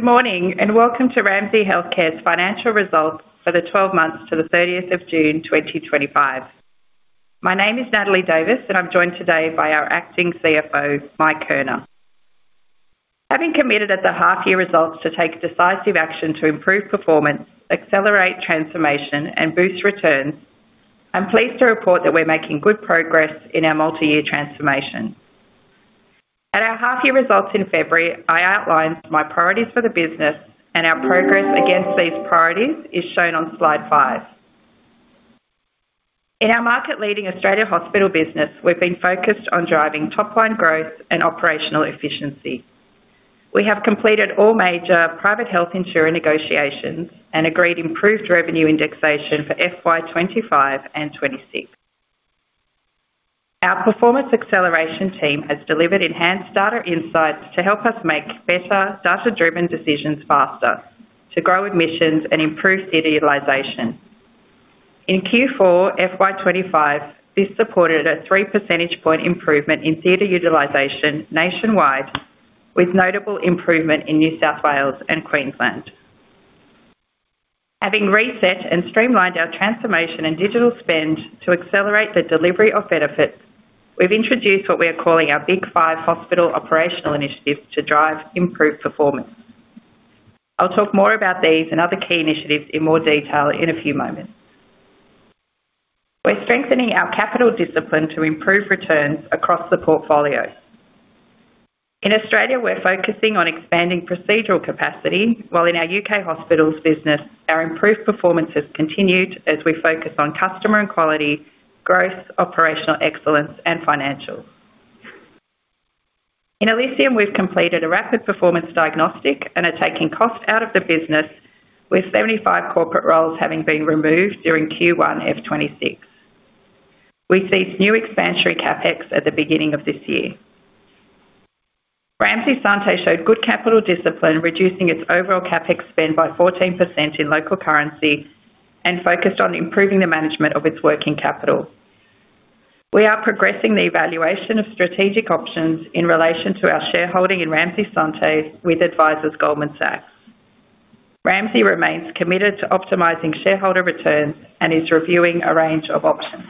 Good morning and welcome to Ramsay Health Care's financial results for the 12 months to 30th June 2025. My name is Natalie Davis and I'm joined today by our Acting CFO Mike Kerner. Having committed at the half year results to take decisive action to improve performance, accelerate transformation and boost returns, I'm pleased to report that we're making good progress in our multi-year transformation. At our half year results in February I outlined my priorities for the business and our progress against these priorities is shown on slide 5. In our market-leading Australia hospital business we've been focused on driving top line growth and operational efficiency. We have completed all major private health insurance negotiations and agreed improved revenue indexation for FY 2025 and FY 2026. Our performance acceleration team has delivered enhanced data insights to help us make better data-driven decisions faster to grow admissions and improve theater utilization. In Q4 FY 2025 this supported a 3% improvement in theater utilization nationwide with notable improvement in New South Wales and Queensland. Having reset and streamlined our transformation and digital spend to accelerate the delivery of benefits, we've introduced what we are calling our Big 5 hospital operational initiatives to drive improved performance. I'll talk more about these and other key initiatives in more detail in a few moments. We're strengthening our capital discipline to improve returns across the portfolio. In Australia we're focusing on expanding procedural capacity while in our U.K. hospitals business our improved performance has continued as we focus on customer and quality growth, operational excellence and financial. In Elysium we've completed a rapid performance diagnostic and are taking cost out of the business. With 75 corporate roles having been removed during Q1 FY 2026 we ceased new expansionary CapEx at the beginning of this year. Ramsay Santé showed good capital discipline reducing its overall CapEx spend by 14% in local currency and focused on improving the management of its working capital. We are progressing the evaluation of strategic options in relation to our shareholding in Ramsay Santé with advisors Goldman Sachs. Ramsay remains committed to optimizing shareholder returns and is reviewing a range of options.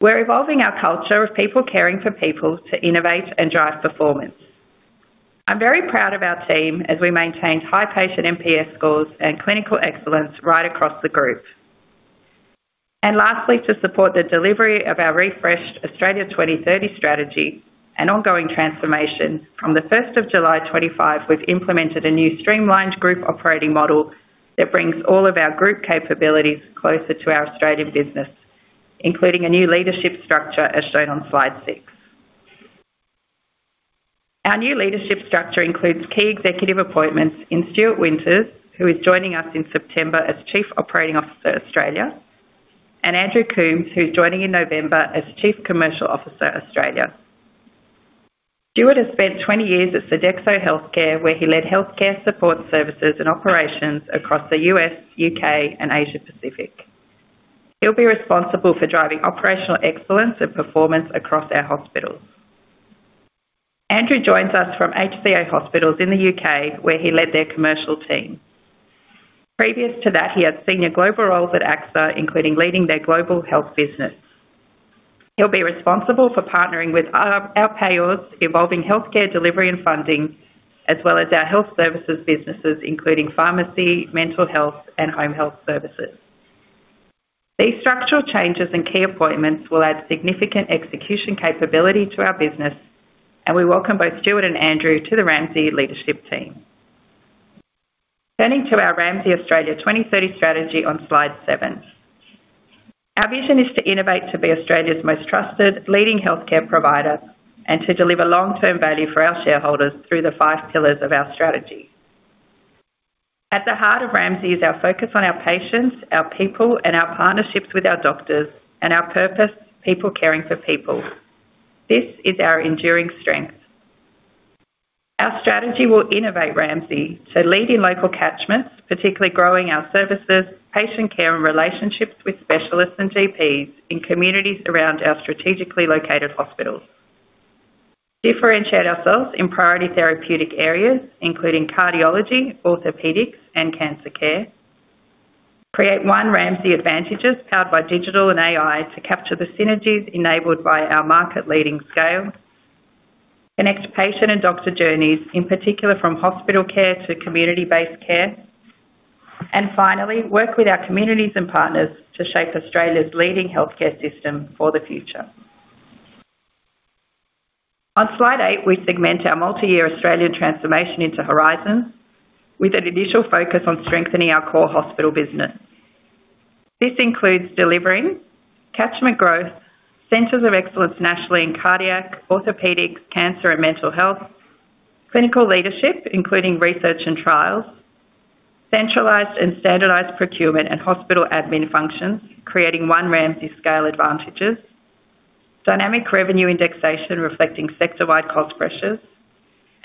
We're evolving our culture of people caring for people to innovate and drive performance. I'm very proud of our team as we maintained high patient NPS Scores and clinical excellence right across the group. Lastly, to support the delivery of our refreshed Australia 2030 strategy and ongoing transformation, from 1st of July 2025, we've implemented a new streamlined group operating model that brings all of our group capabilities closer to our Australian business, including a new leadership structure as shown on slide 6. Our new leadership structure includes key executive appointments in Stuart Winters, who is joining us in September as Chief Operating Officer Australia, and Andrew Coombs, who's joining in November as Chief Commercial Officer Australia. Stuart has spent 20 years at Sodexo Healthcare, where he led healthcare support services and operations across the U.S., U.K., and Asia Pacific. He'll be responsible for driving operational excellence and performance across our hospitals. Andrew joins us from HCA Hospitals in the U.K., where he led their commercial team. Previous to that, he had senior global roles at AXA, including leading their global health business. He'll be responsible for partnering with our payers involving health care delivery and funding, as well as our health services businesses, including pharmacy, mental health, and home health services. These structural changes and key appointments will add significant execution capability to our business, and we welcome both Stuart and Andrew to the Ramsay leadership team. Turning to our Ramsay Australia 2030 strategy on slide 7, our vision is to innovate to be Australia's most trusted leading healthcare provider and to deliver long-term value for our shareholders through the five pillars of our strategy. At the heart of Ramsay is our focus on our patients, our people, and our partnerships with our doctors, and our purpose, people caring for people. This is our enduring strength. Our strategy will innovate Ramsay to lead in local catchments, particularly growing our services, patient care, and relationships with specialists and GPs in communities around our strategically located hospitals. We will differentiate ourselves in priority therapeutic areas, including cardiology, orthopaedics, and cancer care. We will create one Ramsay advantage powered by digital and AI to capture the synergies enabled by our market-leading scale. Connect patient and doctor journeys in particular from hospital care to community-based care and finally work with our communities and partners to shape Australia's leading healthcare system for the future. On slide 8, we segment our multi-year Australian transformation into horizons with an initial focus on strengthening our core hospital business. This includes delivering catchment growth, centers of excellence nationally in cardiac, orthopedics, cancer, and mental health, clinical leadership including research and trials, centralized and standardized procurement and hospital admin functions, creating one Ramsay scale advantages, dynamic revenue indexation reflecting sector-wide cost pressures,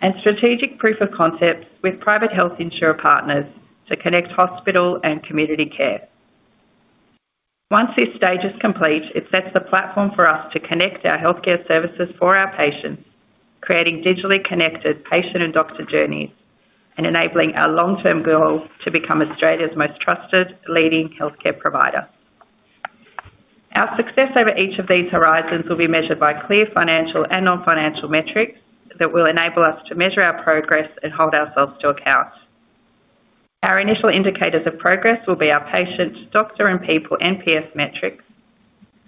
and strategic proof of concept with private health insurance partners to connect hospital and community care. Once this stage is complete, it sets the platform for us to connect our healthcare services for our patients, creating digitally connected patient and doctor journeys and enabling our long-term goal to become Australia's most trusted leading healthcare provider. Our success over each of these horizons will be measured by clear financial and non-financial metrics that will enable us to measure our progress and hold ourselves to account. Our initial indicators of progress will be our patient, doctor, and people NPS metrics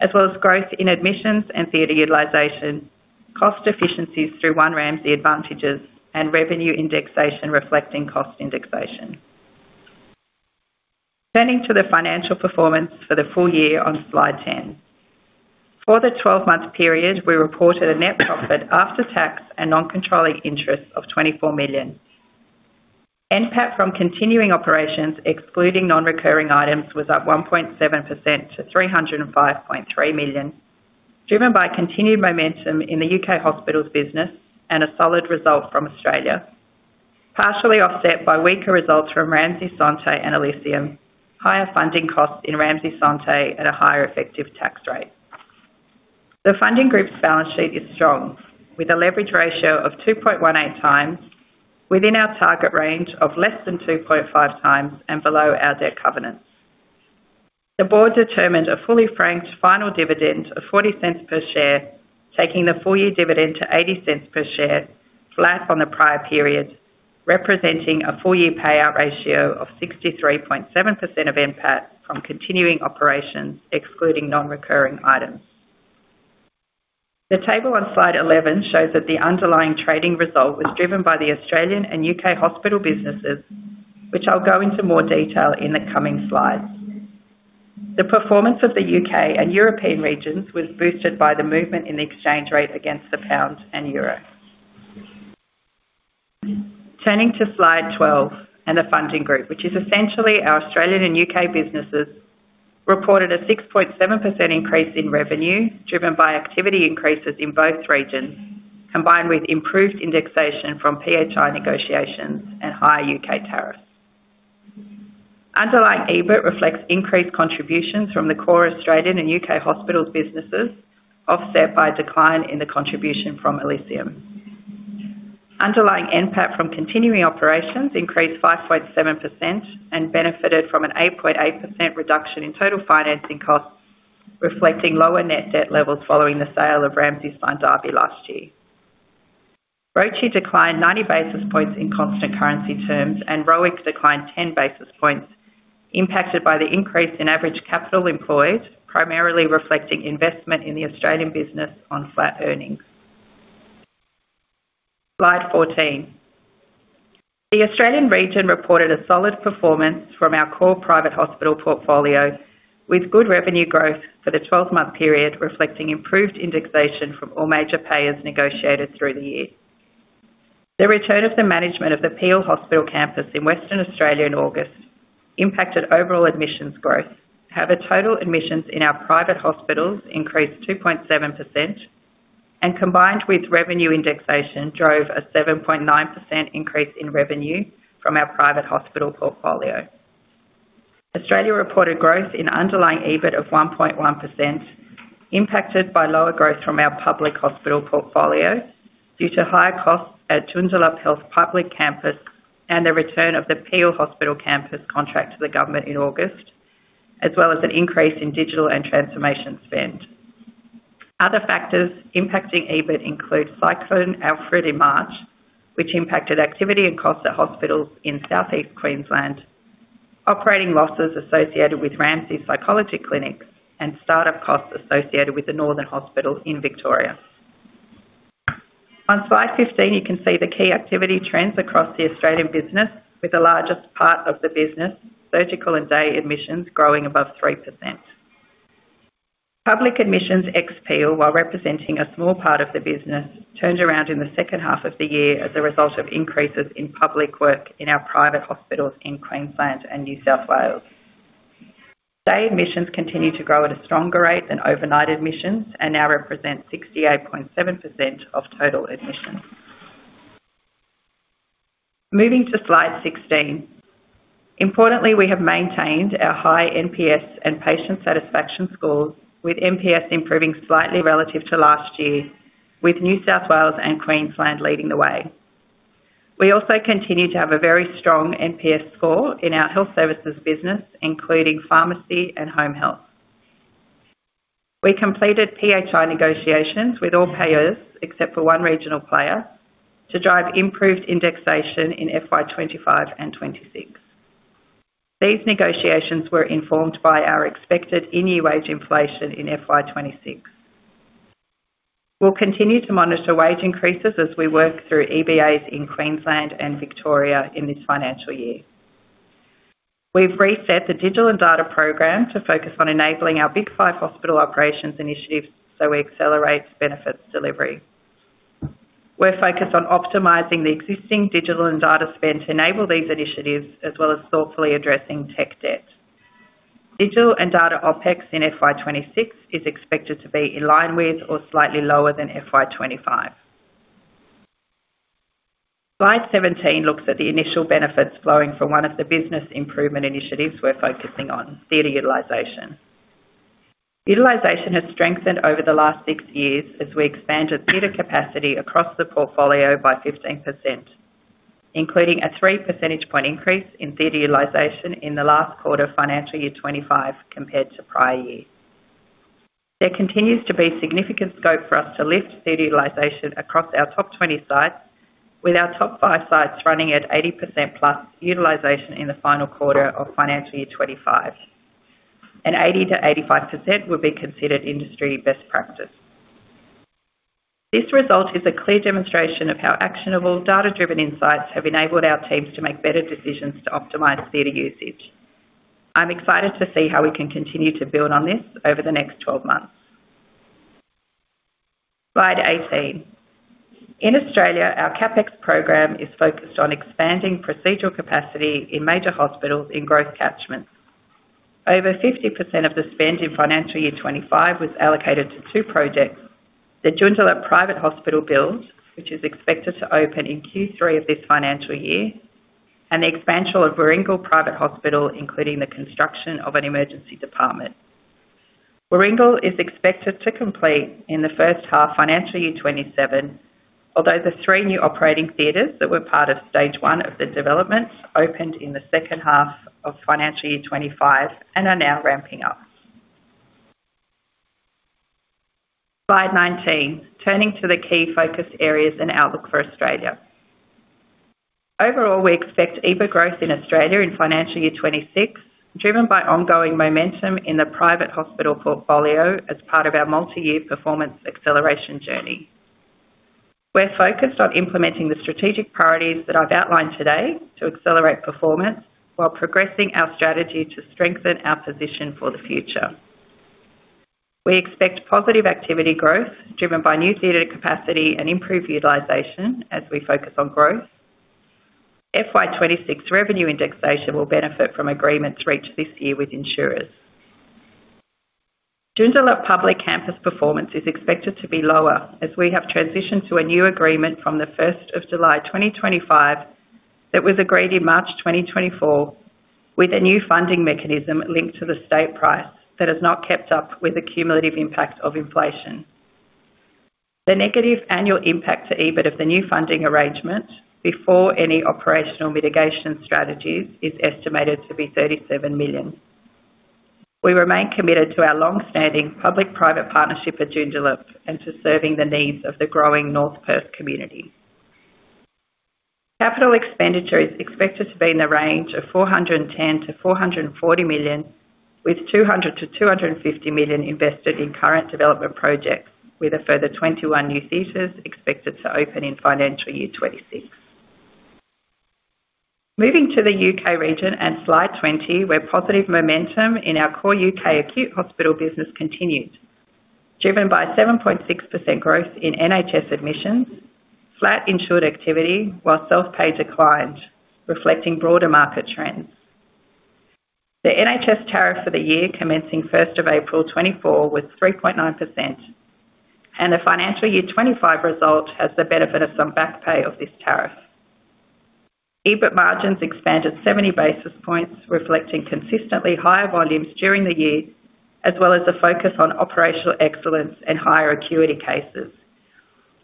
as well as growth in admissions and theater utilization, cost efficiencies through one Ramsay advantages, and revenue indexation reflecting cost indexation. Turning to the financial performance for the full year on slide 10, for the 12-month period we reported a net profit after tax and non-controlling interest of 24 million. NPAT from continuing operations excluding non-recurring items was up 1.7% to 305.3 million, driven by continued momentum in the U.K. hospitals business and a solid result from Australia, partially offset by weaker results from Ramsay Santé and Elysium. Higher funding costs in Ramsay Santé at a higher effective tax rate. The Funding Group's balance sheet is strong with a leverage ratio of 2.18x, within our target range of less than 2.5x and below our debt covenant. The Board determined a fully franked final dividend of 0.40 per share, taking the full year dividend to 0.80 per share, flat on the prior period, representing a full year payout ratio of 63.7% of NPAT from continuing operations excluding non-recurring items. The table on slide 11 shows that the underlying trading result was driven by the Australian and U.K. hospital businesses, which I'll go into more detail in the coming slides. The performance of the U.K. and European regions was boosted by the movement in the exchange rate against the pound and euro. Turning to slide 12 and the Funding Group, which is essentially our Australian and U.K. businesses, reported a 6.7% increase in revenue driven by activity increases in both regions combined with improved indexation from private health insurance negotiations and higher U.K. tariffs. Underlying EBIT reflects increased contributions from the core Australian and U.K. hospitals businesses, offset by a decline in the contribution from Elysium. Underlying NPAT from continuing operations increased 5.7% and benefited from an 8.8% reduction in total financing costs reflecting lower net debt levels following the sale of Ramsay Sime Darby last year. ROCE declined 90 basis points in constant currency terms and ROIC declined 10 basis points, impacted by the increase in average capital employed, primarily reflecting investment in the Australian business on flat earnings. Slide 14, the Australian region reported a solid performance from our core private hospital portfolio with good revenue growth for the 12-month period reflecting improved indexation from all major payers negotiated through the year. The return of the management of the Peel Health Campus in Western Australia in August impacted overall admissions growth. However, total admissions in our private hospitals increased 2.7% and combined with revenue indexation drove a 7.9% increase in revenue from our private hospital portfolio. Australia reported growth in underlying EBIT of 1.1%, impacted by lower growth from our public hospital portfolio due to higher costs at Joondalup Health Public Campus and the return of the Peel Health Campus contract to the government in August as well as an increase in digital and transformation spend. Other factors impacting EBIT include Cyclone Alfred in March, which impacted activity and costs at hospitals in Southeast Queensland, operating losses associated with Ramsay Psychology Clinics, and startup costs associated with the Northern Hospital in Victoria. On slide 15, you can see the key activity trends across the Australian business with the largest part of the business, surgical and day admissions, growing above 3%. Public admissions ex Peel, while representing a small part of the business, turned around in the second half of the year as a result of increases in public work in our private hospitals in Queensland and New South Wales. Day admissions continue to grow at a stronger rate than overnight admissions and now represent 68.7% of total admissions. Moving to Slide 16, importantly, we have maintained our high NPS and patient satisfaction score, with NPS improving slightly relative to last year, with New South Wales and Queensland leading the way. We also continue to have a very strong NPS score in our health services business, including pharmacy and home health. We completed private health insurance negotiations with all payers except for one regional player to drive improved indexation in FY 2025 and 2026. These negotiations were informed by our expected INU wage inflation in FY 2026. We'll continue to monitor wage increases as we work through EBAs in Queensland and Victoria. In this financial year, we've reset the digital and data program to focus on enabling our Big 5 hospital operational initiatives so we accelerate benefits delivery. We're focused on optimizing the existing digital and data spend to enable these initiatives as well as thoughtfully addressing tech debt. Digital and Data OpEx in FY2026 is expected to be in line with or slightly lower than FY 2025. Slide 17 looks at the initial benefits flowing from one of the business improvement initiatives. We're focusing on theater utilization. Utilization has strengthened over the last six years as we expanded theater capacity across the portfolio by 15%, including a 3 percentage point increase in theater utilization in the last quarter, financial year 2025 compared to prior year. There continues to be significant scope for us to lift seat utilization across our top 20 sites, with our top five sites running at 80% plus utilization in the final quarter of financial year 2025, and 80%-85% would be considered industry best practice. This result is a clear demonstration of how actionable data-driven insights have enabled our teams to make better decisions to optimize theater usage. I'm excited to see how we can continue to build on this over the next 12 months. Slide 18, in Australia, our CapEx program is focused on expanding procedural capacity in major hospitals in growth catchments. Over 50% of the spend in financial year 2025 was allocated to two projects, the Joondalup Private Hospital build which is expected to open in Q3 of this financial year, and the expansion of Warringal Private Hospital including the construction of an emergency department. Warringal is expected to complete in the first half of financial year 2027, although the three new operating theaters that were part of stage one of the developments opened in the second half of financial year 2025 and are now ramping up. Slide 19. Turning to the key focus areas and outlook for Australia overall, we expect EBIT growth in Australia in financial year 2026 driven by ongoing momentum in the private hospital portfolio as part of our multi-year performance acceleration journey. We're focused on implementing the strategic priorities that I've outlined today to accelerate performance while progressing our strategy to strengthen our position for the future. We expect positive activity growth driven by new theater capacity and improved utilization as we focus on growth. FY 2026 revenue indexation will benefit from agreements reached this year with insurers. Joondalup Public Campus performance is expected to be lower as we have transitioned to a new agreement on the 1st of July 2025, that was agreed in March 2024 with a new funding mechanism linked to the state price that has not kept up with the cumulative impact of inflation. The negative annual impact to EBIT of the new funding arrangement before any operational mitigation strategies is estimated to be 37 million. We remain committed to our long-standing public-private partnership at Joondalup and to serving the needs of the growing North Perth community. Capital expenditure is expected to be in the range of 410 million-440 million, with 200 million-250 million invested in current development projects, with a further 21 new theaters expected to open in financial year 2026. Moving to the U.K. region and slide 20, where positive momentum in our core U.K. acute hospital business continued, driven by 7.6% growth in NHS admissions, flat insured activity, while self-pay declined reflecting broader market trends. The NHS tariff for the year commenced in 1st of April 2024, was 3.9%, and the financial year 2025 result has the benefit of some back pay of this tariff. EBIT margins expanded 70 basis points, reflecting consistently higher volumes during the year as well as a focus on operational excellence and higher acuity cases,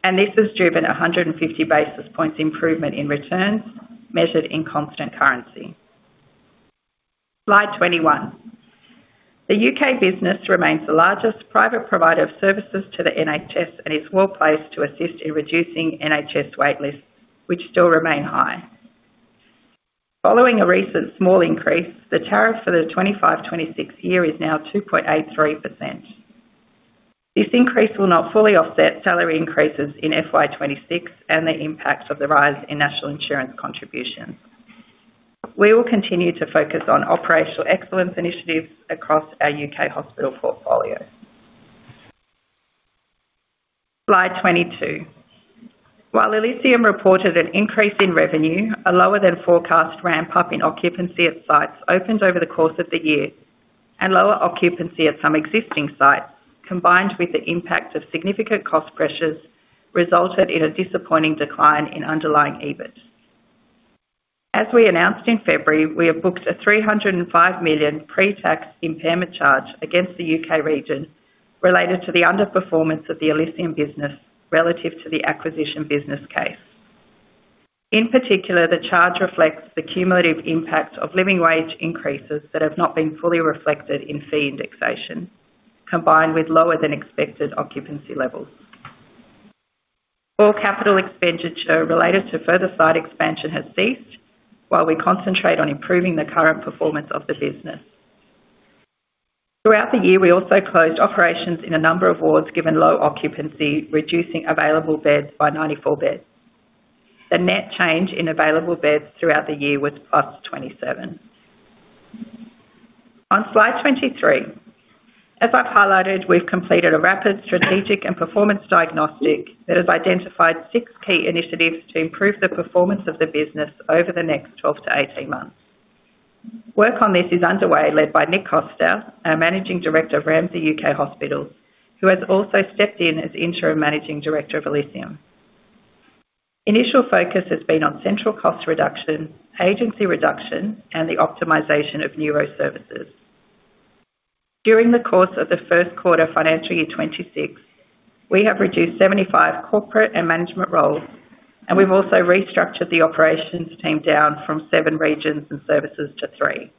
and this has driven a 150 basis points improvement in returns measured in constant currency. Slide 21, the UK business remains the largest private provider of services to the NHS and is well placed to assist in reducing NHS waitlists, which still remain high following a recent small increase. The tariff for the 2025-2026 year is now 2.83%. This increase will not fully offset salary increases in FY 2026 and the impacts of the rise in national insurance contribution. We will continue to focus on operational excellence initiatives across our U.K. hospital portfolio. Slide 22, while Elysium reported an increase in revenue, a lower than forecast ramp up in occupancy at sites opened over the course of the year and lower occupancy at some existing sites, combined with the impact of significant cost pressures, resulted in a disappointing decline in underlying EBIT. As we announced in February, we have booked a 305 million pre-tax impairment charge against the U.K. region related to the underperformance of the Elysium business relative to the acquisition business case. In particular, the charge reflects the cumulative impact of living wage increases that have not been fully reflected in fee indexation, combined with lower than expected occupancy levels. All capital expenditure related to further site expansion has ceased while we concentrate on improving the current performance of the business. Throughout the year, we also closed operations in a number of wards given low occupancy, reducing available beds by 94 beds. The net change in available beds throughout the year was up 27. On Slide 23, as I've highlighted, we've completed a rapid strategic and performance diagnostic that has identified six key initiatives to improve the performance of the business over the next 12-18 months. Work on this is underway, led by Nick Costa, our Managing Director of Ramsay UK Hospital, who has also stepped in as Interim Managing Director of Elysium. Initial focus has been on central cost reduction, agency reduction, and the optimization of neuroservices. During the course of the first quarter of financial year 2026, we have reduced 75 corporate and management roles, and we've also restructured the operations team down from seven regions and services to three.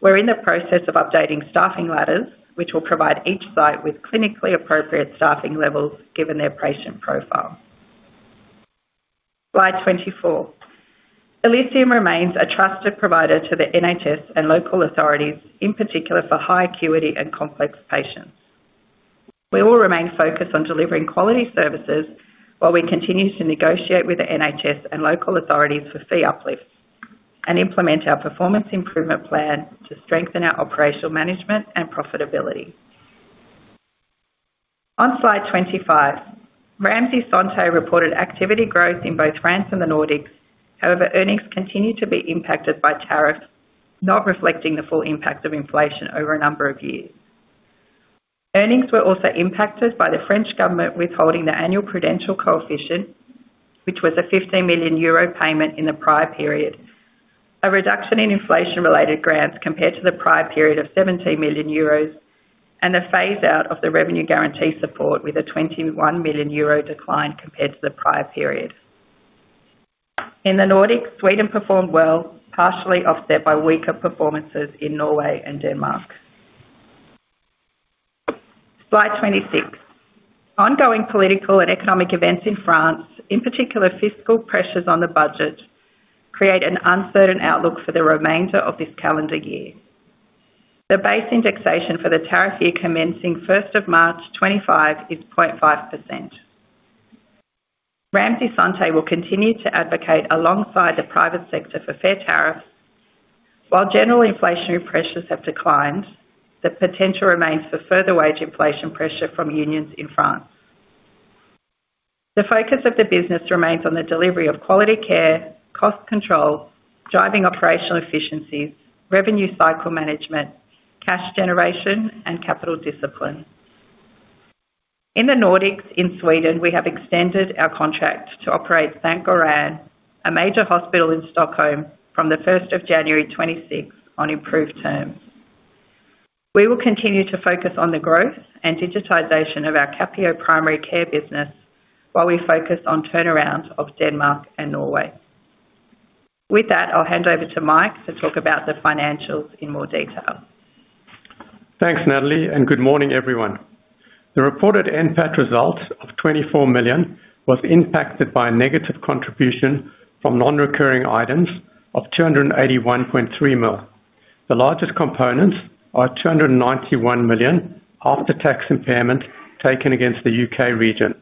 We're in the process of updating staffing ladders, which will provide each site with clinically appropriate staffing levels given their patient profile. Slide 24. Elysium remains a trusted provider to the NHS and local authorities, in particular for high acuity and complex patients. We will remain focused on delivering quality services while we continue to negotiate with the NHS and local authorities for fee uplifts and implement our performance improvement plan to strengthen our operational management and profitability. On slide 25, Ramsay Santé reported activity growth in both France and the Nordics. However, earnings continue to be impacted by tariffs not reflecting the full impact of inflation over a number of years. Earnings were also impacted by the French government withholding the annual prudential coefficient, which was a 15 million euro payment in the prior period, a reduction in inflation-related grants compared to the prior period of 17 million euros, and a phase out of the revenue guarantee support with a 21 million euro decline compared to the prior period. In the Nordics, Sweden performed well, partially offset by weaker performances in Norway and Denmark. Slide 26. Ongoing political and economic events in France, in particular fiscal pressures on the budget, create an uncertain outlook for the remainder of this calendar year. The base indexation for the tariff year commencing 1st of March 2025, is 0.5%. Ramsay Santé will continue to advocate alongside the private sector for fair tariffs. While general inflationary pressures have declined, the potential remains for further wage inflation pressure from unions. In France, the focus of the business remains on the delivery of quality care, cost control, driving operational efficiencies, revenue cycle management, cash generation, and capital discipline. In the Nordics, in Sweden we have extended our contract to operate St. Goran, a major hospital in Stockholm, from the 1st of January 2026, on improved terms. We will continue to focus on the growth and digitization of our Capio primary care business while we focus on turnaround of Denmark and Norway. With that, I'll hand over to Mike to talk about the financials in more detail. Thanks, Natalie, and good morning everyone. The reported NPAT result of 24 million was impacted by a negative contribution from non-recurring items of 281.3 million. The largest components are a 291 million after-tax impairment taken against the U.K. region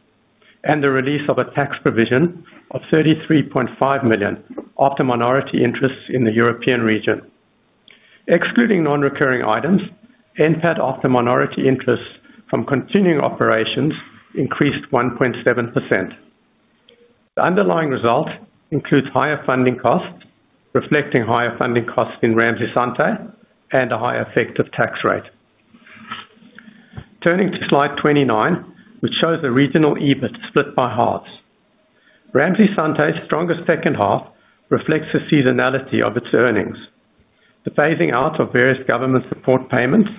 and the release of a tax provision of 33.5 million after minority interests in the European region. Excluding non-recurring items, NPAT after minority interests from continuing operations increased 1.7%. The underlying result includes higher funding costs, reflecting higher funding costs in Ramsay Santé and a high effective tax rate. Turning to slide 29, which shows the regional EBIT split by halves, Ramsay Santé's strongest second half reflects the seasonality of its earnings. The phasing out of various government support payments,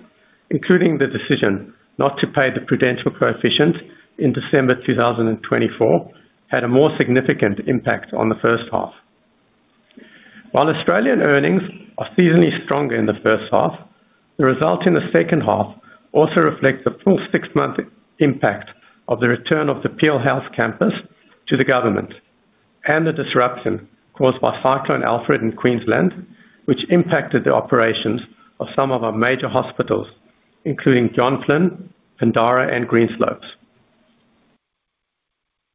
including the decision not to pay the prudential coefficient in December 2024, had a more significant impact on the first half, while Australian earnings are seasonally stronger in the first half. The result in the second half also reflects a full six-month impact of the return of the Peel Health Campus to the Government and the disruption caused by Cyclone Alfred in Queensland, which impacted the operations of some of our major hospitals, including John Flynn, Pindara, and Greenslopes.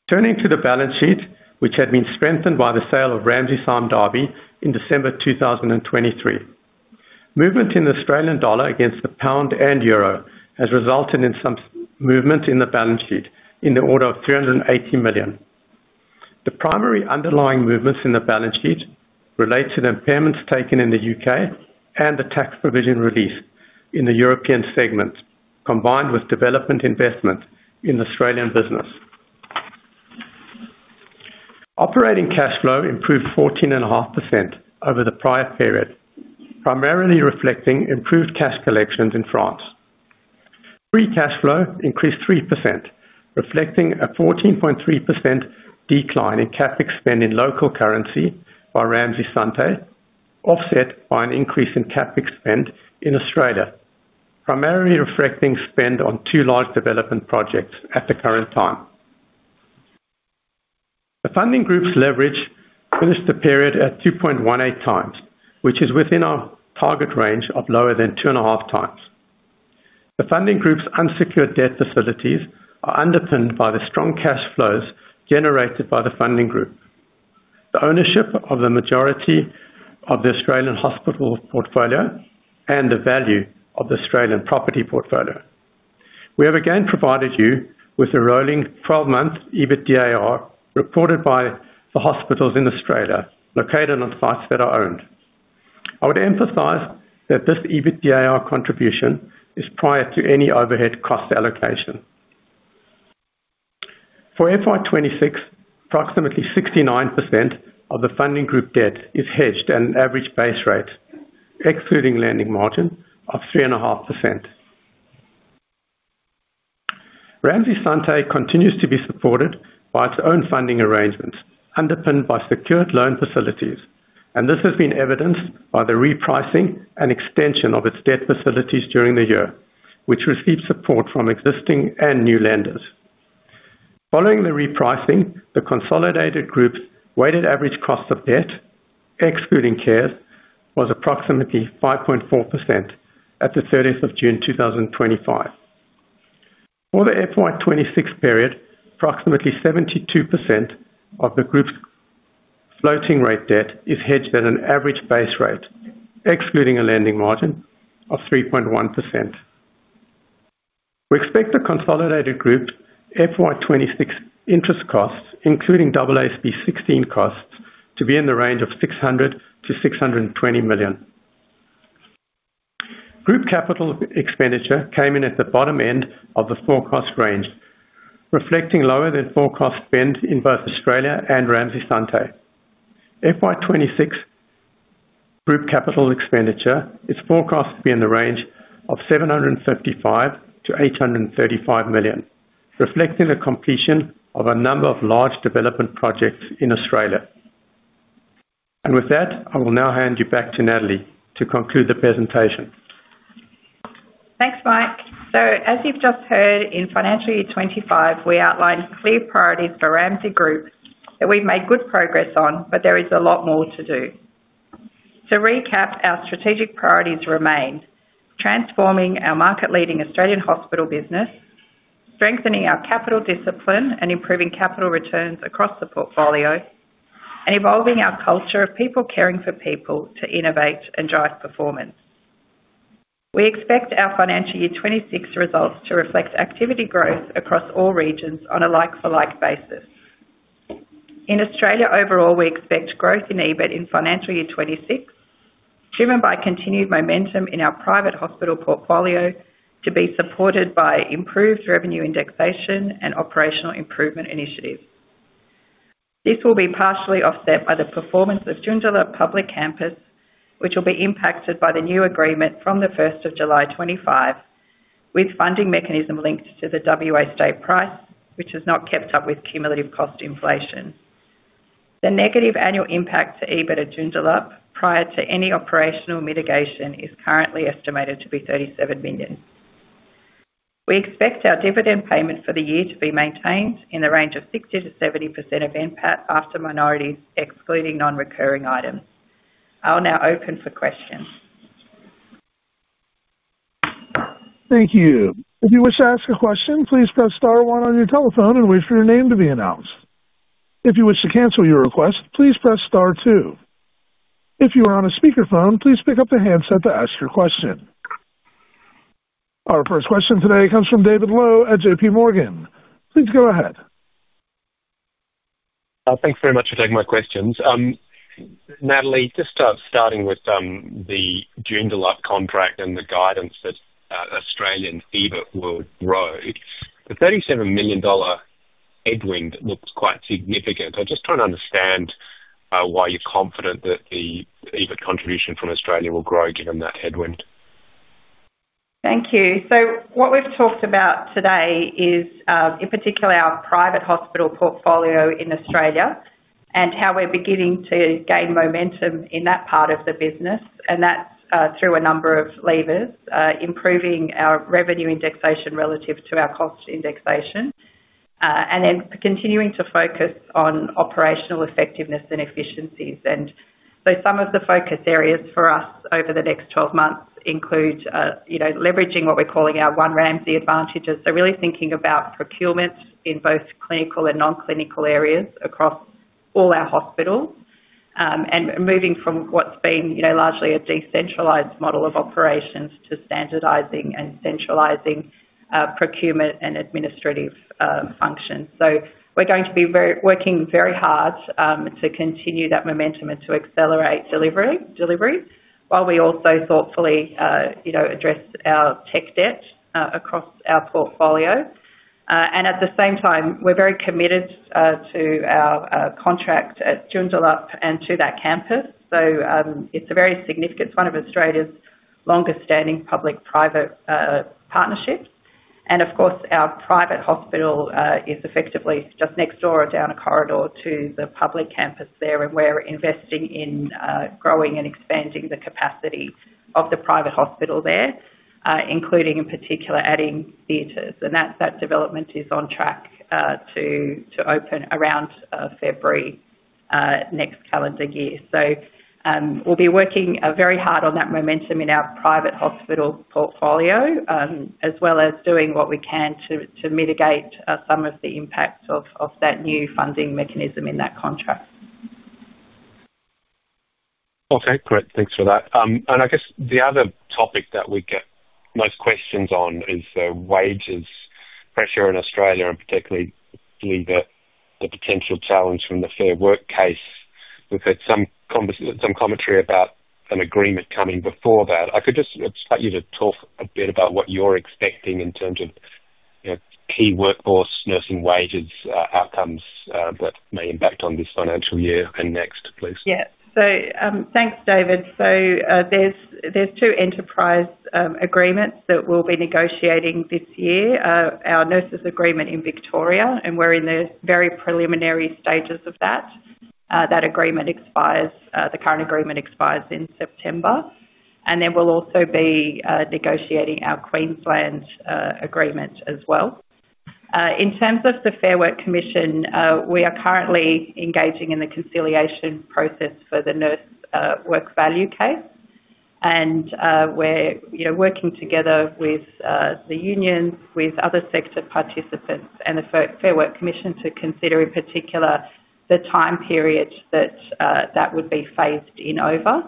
Turning to the balance sheet, which had been strengthened by the sale of Ramsay Sime Darby in December 2023, movement in the Australian dollar against the pound and euro has resulted in some movement in the balance sheet in the order of 380 million. The primary underlying movements in the balance sheet relate to the impairments taken in the U.K. and the tax provision release in the European segment, combined with development investment in the Australian business. Operating cash flow improved 14.5% over the prior period, primarily reflecting improved cash collections. In France, free cash flow increased 3%, reflecting a 14.3% decline in CapEx spend in local currency by Ramsay Santé, offset by an increase in CapEx spend in Australia, primarily reflecting spend on two large development projects. At the current time, the Funding Group's leverage finished the period at 2.18x, which is within our target range of lower than 2.5x. The Funding Group's unsecured debt facilities are underpinned by the strong cash flows generated by the Funding Group, the ownership of the majority of the Australian hospital portfolio, and the value of the Australian property portfolio. We have again provided you with a rolling 12-month EBITDAR reported by the hospitals in Australia located on sites that are owned. I would emphasize that this EBITDA contribution is prior to any overhead cost allocation for FY 2026. Approximately 69% of the Funding Group debt is hedged at an average base rate excluding lending margin of 3.5%. Ramsay Santé continues to be supported by its own funding arrangements underpinned by secured loan facilities, and this has been evidenced by the repricing and extension of its debt facilities during the year, which received support from existing and new lenders. Following the repricing, the Consolidated Group's weighted average cost of debt excluding CARES was approximately 5.4% at the 30th of June 2025. For the FY 2026 period, approximately 72% of the Group's floating rate debt is hedged at an average base rate excluding a lending margin of 3.1%. We expect the Consolidated Group FY 2026 interest costs, including AASB 16 costs, to be in the range of 600 million-620 million. Group capital expenditure came in at the bottom end of the forecast range, reflecting lower than forecast spend in both Australia and Ramsay Santé. FY 2026 Group capital expenditure is forecast to be in the range of 755 million-835 million, reflecting the completion of a number of large development projects in Australia. With that, I will now hand you back to Natalie to conclude the presentation. Thanks, Mike. As you've just heard, in financial year 2025 we outlined clear priorities for Ramsay Group that we've made good progress on, but there is a lot more to do. To recap, our strategic priorities remained transforming our market-leading Australian hospital business, strengthening our capital discipline and improving capital returns across the portfolio, and evolving our culture of people, caring for people to innovate and drive performance. We expect our financial year 2026 results to reflect activity growth across all regions on a like-for-like basis. In Australia overall, we expect growth in EBIT in financial year 2026 driven by continued momentum in our private hospital portfolio to be supported by improved revenue indexation and operational improvement initiatives. This will be partially offset by the performance of Joondalup Public Campus, which will be impacted by the new agreement from the 1st of July 2025, with funding mechanism linked to the WA State Price, which has not kept up with cumulative cost inflation. The negative annual impact to EBIT at Joondalup prior to any operational mitigation is currently estimated to be 37 million. We expect our dividend payment for the year to be maintained in the range of 60%-70% of NPAT after minority, excluding non-recurring items. I'll now open for questions. Thank you. If you wish to ask a question, please press Star one on your telephone and wait for your name to be announced. If you wish to cancel your request, please press Star 2. If you are on a speakerphone, please pick up the handset to ask your question. Our first question today comes from David Low at JPMorgan. Please go ahead. Thanks very much for taking my questions, Natalie. Just starting with the June deluxe contract and the guidance that Australian EBIT will grow, the 37 million dollar headwind looked quite significant. I'm just trying to understand why you're confident that the EBIT contribution from Australia will grow given that headwind. Thank you. What we've talked about today is in particular our private hospital portfolio in Australia and how we're beginning to gain momentum in that part of the business. That's through a number of levers, improving our revenue indexation relative to our cost indexation, and then continuing to focus on operational effectiveness and efficiencies. Some of the focus areas for us over the next 12 months include leveraging what we're calling our One Ramsay advantages, really thinking about procurement in both clinical and non-clinical areas across all our hospitals and moving from what's been largely a decentralized model of operations to standardizing and centralizing procurement and administrative functions. We're going to be working very hard to continue that momentum and to accelerate delivery while we also thoughtfully address our tech debt across our portfolio. At the same time, we're very committed to our contract at Joondalup and to that campus. It's a very significant one of Australia's longest standing public private partnerships. Our private hospital is effectively just next door down a corridor to the public campus there. We're investing in growing and expanding the capacity of the private hospital there, including in particular adding theatres. That development is on track to open around February next calendar year. We'll be working very hard on that momentum in our private hospital portfolio as well as doing what we can to mitigate some of the impact of that new funding mechanism in that contract. Okay, great, thanks for that. The other topic that we get most questions on is wages pressure in Australia, particularly the potential challenge from the Fair Work case. We've had some commentary about an agreement coming before that. Could you talk a bit about what you're expecting in terms of key workforce, nursing, wages, outcomes, and what may impact this financial year and next please. Thank you, David. There are two enterprise agreements that we'll be negotiating this year: our Nurses Agreement in Victoria, and we're in the very preliminary stages of that. The current agreement expires in September. We'll also be negotiating our Queensland agreement as well in terms of the Fair Work Commission. We are currently engaging in the conciliation process for the nurse work value case, and we're working together with the unions, with other sector participants, and the Fair Work Commission to consider in particular the time period that that would be phased in over.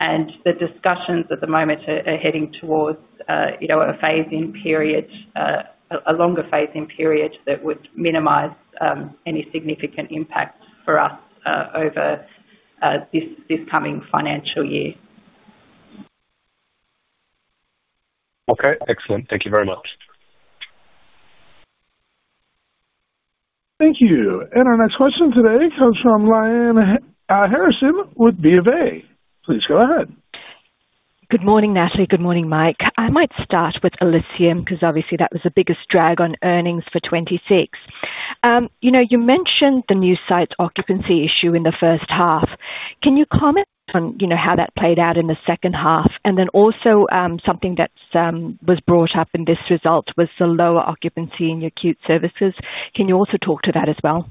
The discussions at the moment are heading towards a phase-in period, a longer phase-in period that would minimize any significant impact for us over this coming financial year. Okay, excellent. Thank you very much. Thank you. Our next question today comes from Lyanne Harrison of BofA. Please go ahead. Good morning, Natalie. Good morning, Mike. I might start with Elysium because obviously that was the biggest drag on earnings for 2026. You mentioned the new site occupancy issue in the first half. Can you comment on how that played out in the second half? Also, something that was brought up in this result was the lower occupancy in your acute services. Can you also talk to that as well?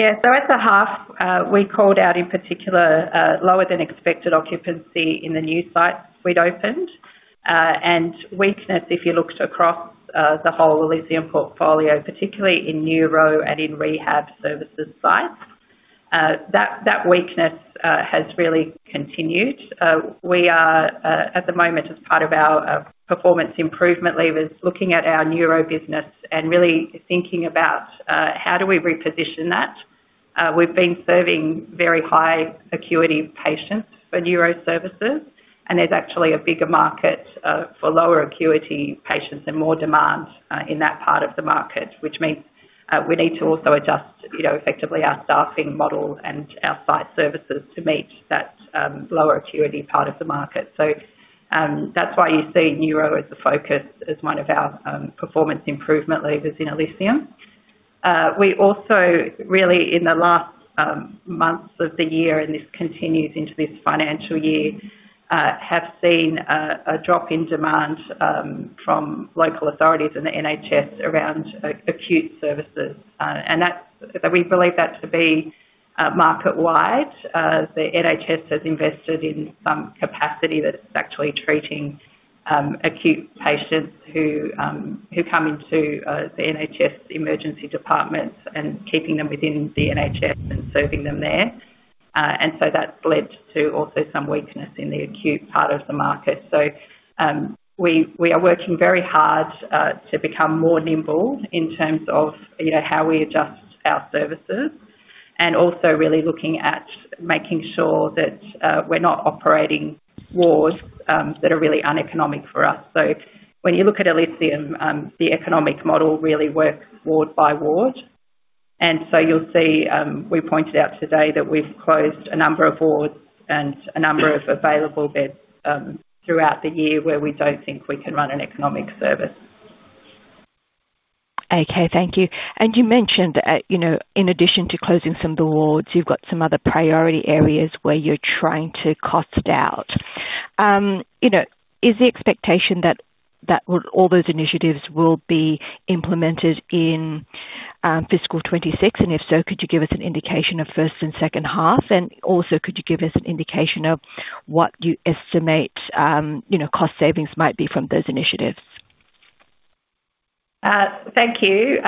Yeah. At the half we called out in particular lower than expected occupancy in the new site we'd opened, and weakness, if you looked across the whole Elysium portfolio, particularly in Neuro and in rehab services sites. That weakness has really continued. We are, at the moment, as part of our performance improvement levers, looking at our Neuro business and really thinking about how do we reposition that. We've been serving very high acuity patients for Neuro services and there's actually a bigger market for lower acuity patients and more demand in that part of the market, which means we need to also adjust effectively our staffing model and outside services to meet that lower acuity part of the market. That's why you see Neuro as the focus, as one of our performance improvement levers in Elysium. In the last months of the year, and this continues into this financial year, we have seen a drop in demand from local authorities and the NHS around acute services. We believe that to be market wide. The NHS has invested in some capacity that is actually treating acute patients who come into the NHS emergency department and keeping them within the NHS and serving them there. That led to also some weakness in the acute part of the market. We are working very hard to become more nimble in terms of how we adjust our services and also really looking at making sure that we're not operating wards that are really uneconomic for us. When you look at Elysium, the economic model really works ward by ward. You'll see we pointed out today that we've closed a number of wards and a number of available beds throughout the year where we don't think we can run an economic service. Thank you. You mentioned, in addition to closing some of the wards, you've got some other priority areas where you're trying to cost out. Is the expectation that all those initiatives will be implemented in fiscal 2026, and if so, could you give us an indication of first and second half, and also could you give us an indication of what you estimate cost savings might be from those initiatives? Thank you.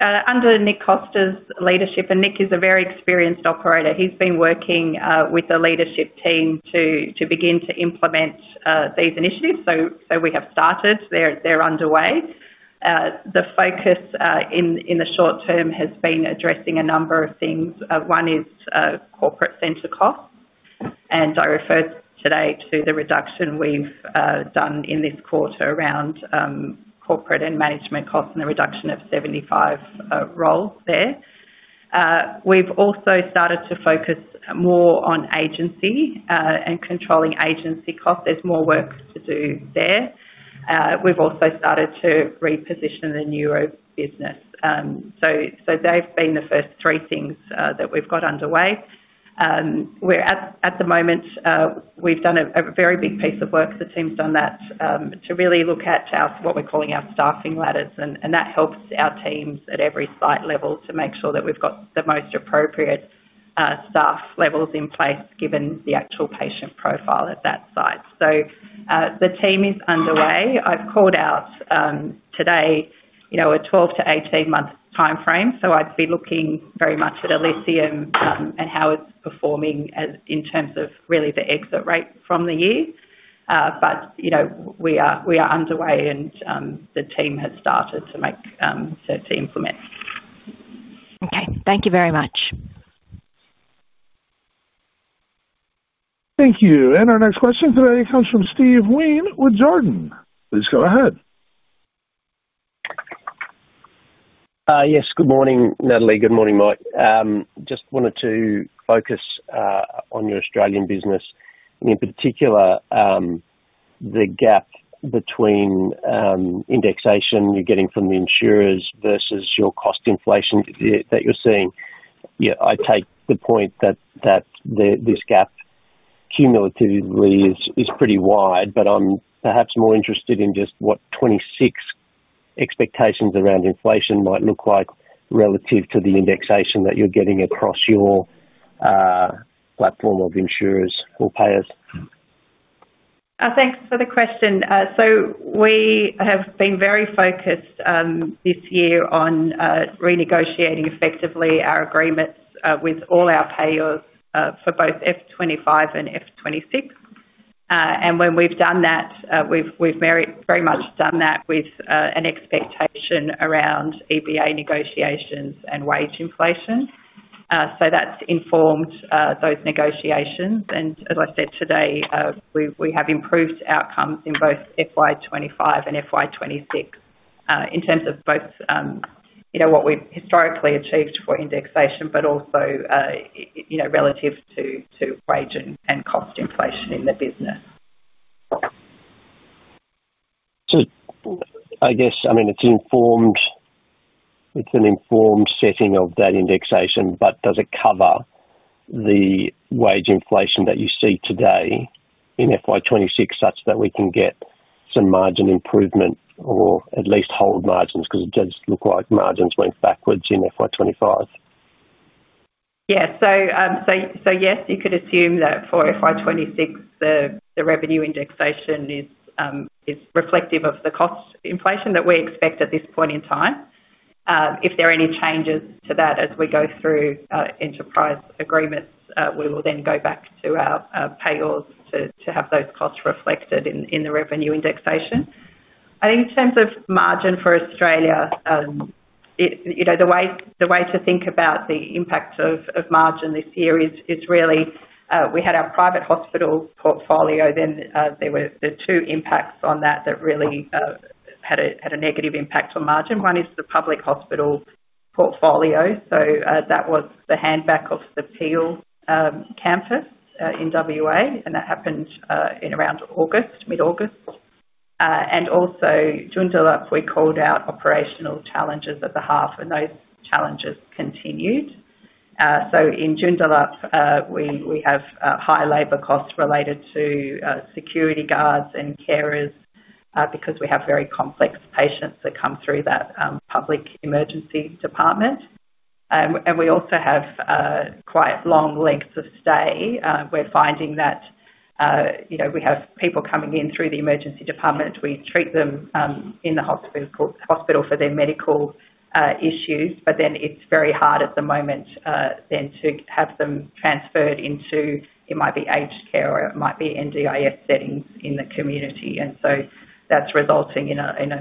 Under Nick Costa's leadership, and Nick is a very experienced operator, he's been working with the leadership team to begin to implement these initiatives. We have started, they're underway. The focus in the short term has been addressing a number of things. One is corporate center costs, and I referred today to the reduction we've done in this quarter around corporate and management costs and the reduction of 75 roles there. We've also started to focus more on agency and controlling agency costs. There's more work to do there. We've also started to reposition the Neuro business. They've been the first three things that we've got underway at the moment. We've done a very big piece of work. The team's done that to really look at what we're calling our staffing ladders, and that helps our teams at every site level to make sure that we've got the most appropriate staff levels in place given the actual patient profile at that site. The team is underway. I've called out today a 12-18 month time frame. I'd be looking very much at Elysium and how it's performing in terms of really the exit rate from the year. We are underway and the team has started to implement. Okay, thank you very much. Thank you. Our next question today comes from Steve Wheen with Jarden. Please go ahead. Yes. Good morning, Natalie. Good morning, Mike. I just wanted to focus on your Australian business, in particular the gap between indexation you're getting from the insurers versus your cost inflation that you're seeing. I take the point that this gap cumulatively is pretty wide, but I'm perhaps more interested in just what 2026 expectations around inflation might look like relative to the indexation that you're getting across your platform of insurers or payers. Thanks for the question. We have been very focused this year on renegotiating effectively our agreements with all our payers for both FY 2025 and FY 2026. When we've done that, we've very much done that with an expectation around EBA negotiations and wage inflation. That's informed those negotiations. As I said today, we have improved outcomes in both FY 2025 and FY 2026 in terms of both what we've historically achieved for indexation, but also relative to wage and cost inflation in the business. I guess, I mean. It'S an. Informed setting of that indexation. Does it cover the wage inflation that you see today in FY 2026 such that we can get some margin improvement or at least hold margins? It does look like margins went backwards in FY 2025. Yes. Yes, you could assume that for FY 2026 the revenue indexation is reflective of the cost inflation that we expect at this point in time. If there are any changes to that as we go through enterprise agreements, we will then go back to our payors to have those costs reflected in the revenue indexation. I think in terms of margin for Australia, the way to think about the impact of margin this year is really we had our private hospital portfolio, then there were two impacts on that that really had a negative impact on margin. One is the public hospital portfolio. That was the hand back of the Peel Campus in WA and that happened in around August, mid-August. Also, Joondalup, we called out operational challenges at the half and those challenges continued. In Joondalup, we have high labor costs related to security guards and carers because we have very complex patients that come through that public emergency department and we also have quite long lengths of stay. We're finding that we have people coming in through the emergency department, we treat them in the hospital for their medical issues, but then it's very hard at the moment to have them transferred into, it might be aged care or it might be NDIS settings in the community. That is resulting in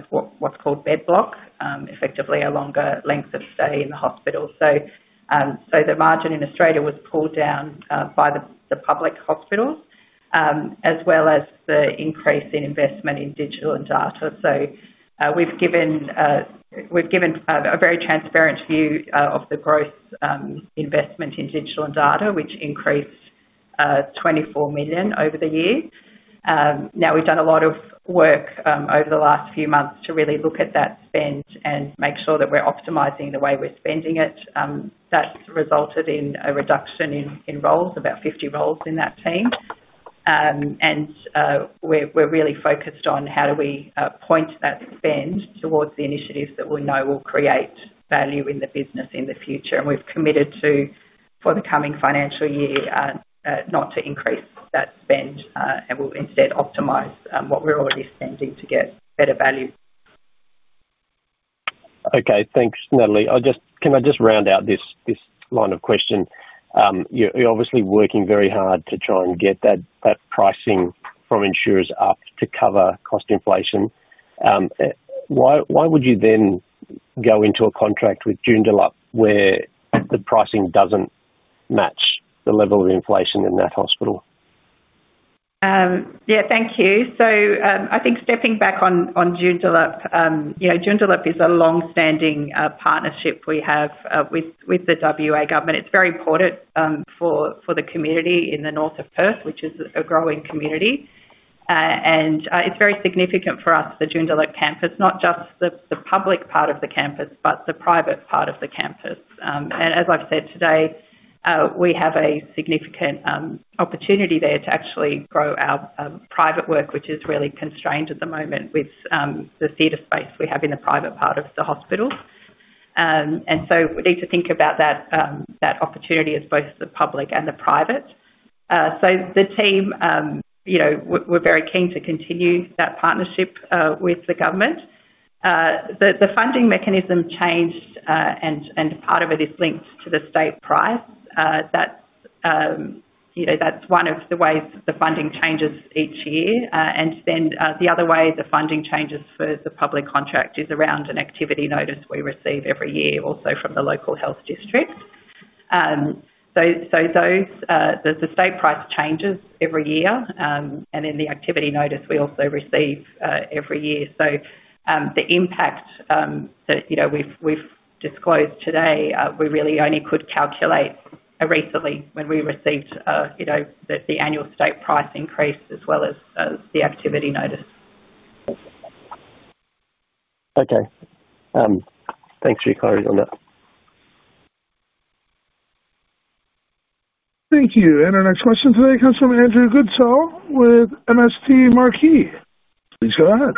what's called bed block, effectively a longer length of stay in the hospital. The margin in Australia was pulled down by the public hospital as well as the increase in investment in digital and data. We've given a very transparent view of the growth investment in digital and data, which increased 24 million over the year. We've done a lot of work over the last few months to really look at that spend and make sure that we're optimizing the way we're spending it. That's resulted in a reduction in roles, about 50 roles in that team. We're really focused on how do we point that spend towards the initiatives that we know will create value in the business in the future. We've committed to, for the coming financial year, not to increase that spend and will instead optimize what we're already spending to get better value. Okay, thanks Natalie. Can I just round out this line of question? You're obviously working very hard to try and get that pricing from insurers up to cover cost inflation. Why would you then go into a contract with Joondalup where the pricing doesn't match the level of inflation in that hospital? Thank you. I think stepping back on Joondalup, Joondalup is a long-standing partnership we have with the WA government. It's very important for the community in the north of Perth, which is a growing community, and it's very significant for us, the Joondalup campus, not just the public part of the campus, but the private part of the campus. As I've said today, we have a significant opportunity there to actually grow our private work, which is really constrained at the moment with the theater space we have in the private part of the hospital. We need to think about that opportunity as both the public and the private. The team is very keen to continue that partnership with the government. The funding mechanism changed, and part of it is linked to the state price. That's one of the ways the funding changes each year, and the other way the funding changes for the public contract is around an activity notice we receive every year also from the local health district. The state price changes every year, and the activity notice we also receive every year. The impact that we've disclosed today we really only could calculate recently when we received the annual state price increase as well as the activity notice. Okay, thanks for your clarity on that. Thank you. Our next question today comes from Andrew Goodsall with MST Marquee. Please go ahead.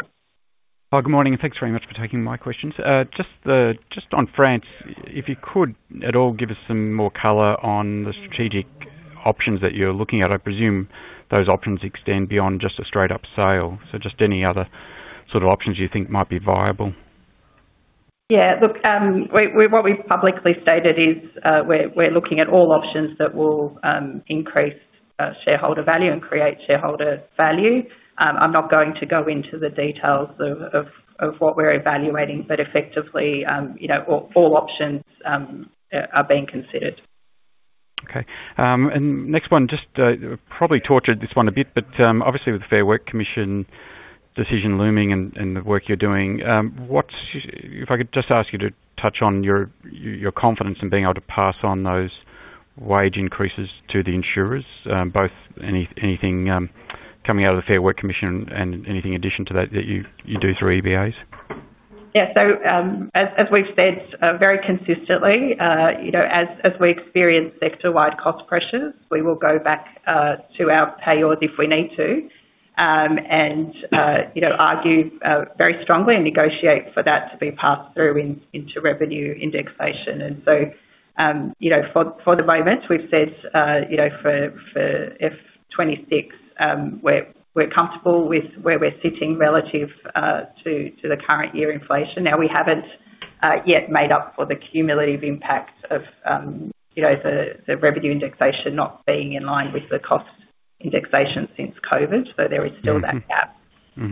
Good morning and thanks very much for taking my questions. Just on France, if you could at all give us some more color on the strategic options that you're looking at. I presume those options extend beyond just a straight up sale, just any other sort of options you think might be viable. Yeah, look, what we've publicly stated is we're looking at all options that will increase shareholder value and create shareholder value. I'm not going to go into the details of what we're evaluating, but effectively, you know, all options are being considered. Okay. the next one, just probably tortured this one a bit, but obviously with the Fair Work Commission decision looming and the work you're doing, if I could just ask you to touch on your confidence in being able to pass on those work wage increases to the insurers, both anything coming out of the Fair Work Commission and anything in addition to that that you do through EBAs. Yeah. As we've said very consistently, as we experience sector-wide cost pressures, we will go back to our payors if we need to and argue very strongly and negotiate for that to be passed through into revenue indexation. For the moment, we've said for FY 2026, we're comfortable with where we're sitting relative to the current year inflation. We haven't yet made up for the cumulative impact of the revenue indexation not being in line with the cost indexation since COVID, so there is still that gap. We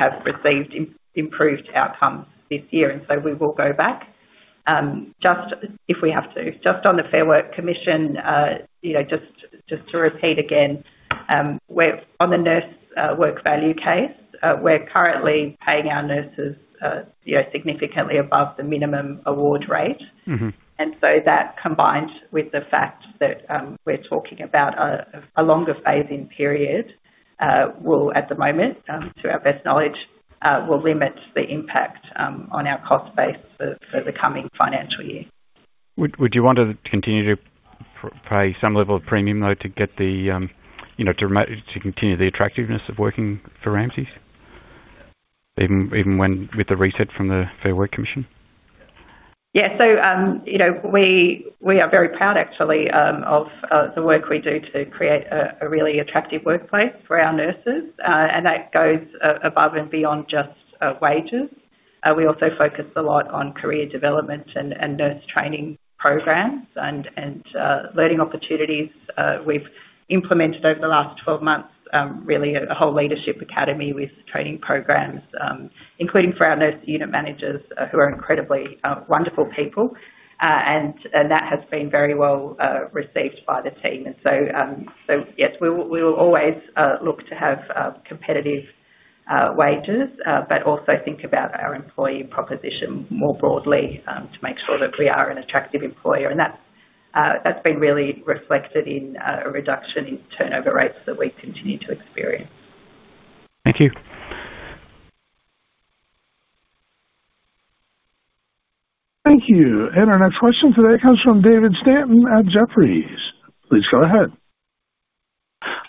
have received improved outcome this year, and we will go back if we have to. Just on the Fair Work Commission, just to repeat again, on the nurse work value case, we're currently paying our nurses significantly above the minimum award rate. That, combined with the fact that we're talking about a longer phase-in period, will, at the moment to our best knowledge, limit the impact on our cost base for the coming financial year. Would you want to continue to pay some level of premium to get the, you know, to continue the attractiveness of working for Ramsay's even with the reset from the Fair Work Commission? Yeah. We are very proud, actually, of the work we do to create a really attractive workplace for our nurses. That goes above and beyond just wages. We also focus a lot on career development and nurse training programs and learning opportunities. We've implemented over the last 12 months really a whole leadership academy with training programs, including for our Nurse Unit Managers, who are incredibly wonderful people. That has been very well received by the team. Yes, we will always look to have competitive wages, but also think about our employee proposition more broadly to make sure that we are an attractive employer. That's been really reflected in a reduction in turnover rates that we continue to experience. Thank you. Thank you. Our next question today comes from David Stanton at Jefferies. Please go ahead.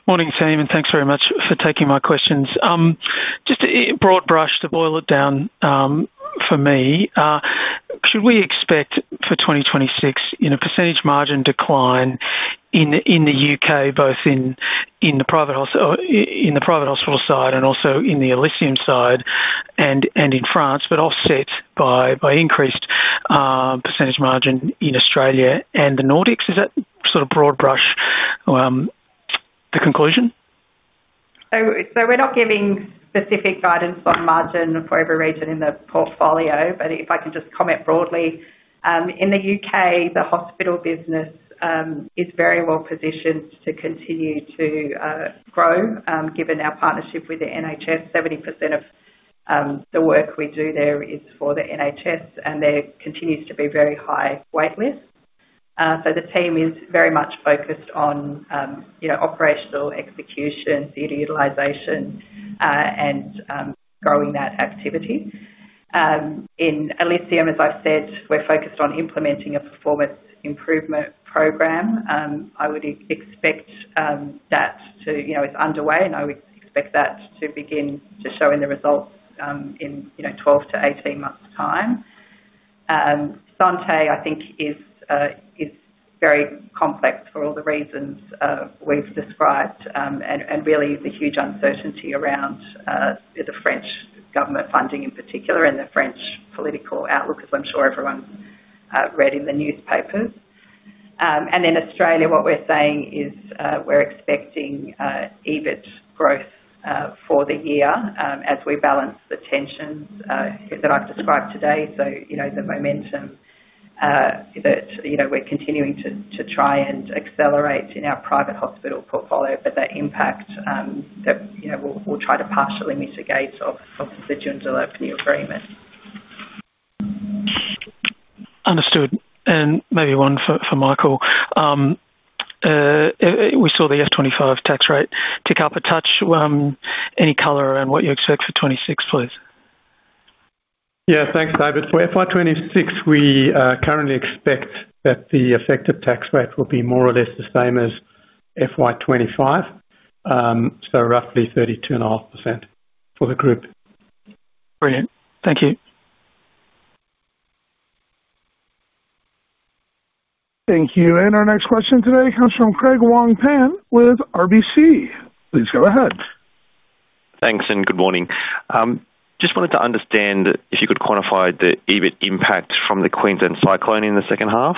Morning, team, and thanks very much for taking my questions. Just a broad brush to boil it down for me. Should we expect for 2026, you know, percentage margin decline in the U.K., both in the private hospital side and also in the Elysium side and in France, but offset by increased percentage margin in Australia and the Nordics. Is that sort of broad brush, the conclusion. We're not giving specific guidance on margin for every region in the portfolio, but if I can just comment broadly. In the U.K., the hospital business is very well positioned to continue to grow, given our partnership with the NHS. 70% of the work we do there is for the NHS and there continues to be very high wait list. The team is very much focused on operational execution, theater utilization, and growing that activity. In Elysium, as I've said, we're focused on implementing a performance improvement program. That is underway and I would expect that to begin to show in the results in 12-18 months' time. Santé, I think, is very complex for all the reasons we've described and really the huge uncertainty around the French government funding in particular and the French political outlook, as I'm sure everyone read in the newspapers. In Australia, what we're saying is we're expecting EBIT growth for the year as we balance the tension that I've described today. The momentum that we're continuing to try and accelerate in our private hospital portfolio, but that impact that we'll try to partially mitigate of the Joondalup new agreement. Understood. Maybe one for Michael. We saw the FY 2025 tax rate tick up a touch. Any color around what you expect for 2026, please. Yeah, thanks, David. For FY 2026, we currently expect that the effective tax rate will be more or less the same as FY 2025, so roughly 32.5% for the group. Brilliant. Thank you. Thank you. Our next question today comes from Craig Wong-Pan with RBC. Please go ahead. Thanks. Good morning. I just wanted to understand if you could quantify the EBIT impact from the Queensland cyclone in the second half.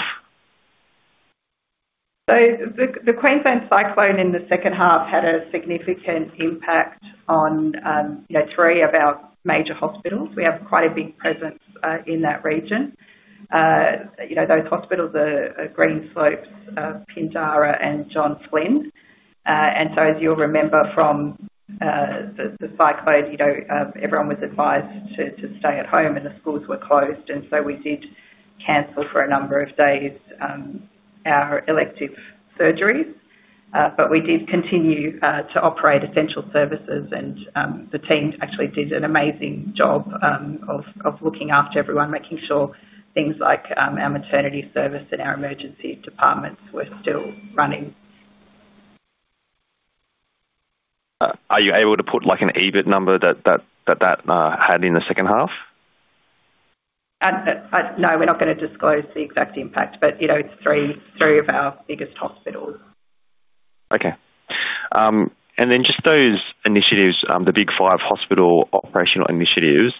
The Queensland cyclone in the second half had a significant impact on three of our major hospitals. We have quite a big presence in that region. Those hospitals are Greenslopes, Pindara, and John Flynn. As you'll remember from the cyclone, everyone was advised to stay at home and the schools were closed. We did cancel for a number of days our elective surgeries, but we did continue to operate essential services. The team actually did an amazing job of looking after everyone, making sure things like our maternity service and our emergency departments were still running. Are you able to put like an EBIT number that that had in the second half? No, we're not going to disclose the exact impact, but you know, it's three of our biggest hospitals. Okay. Regarding those initiatives, the Big 5 hospital operational initiatives,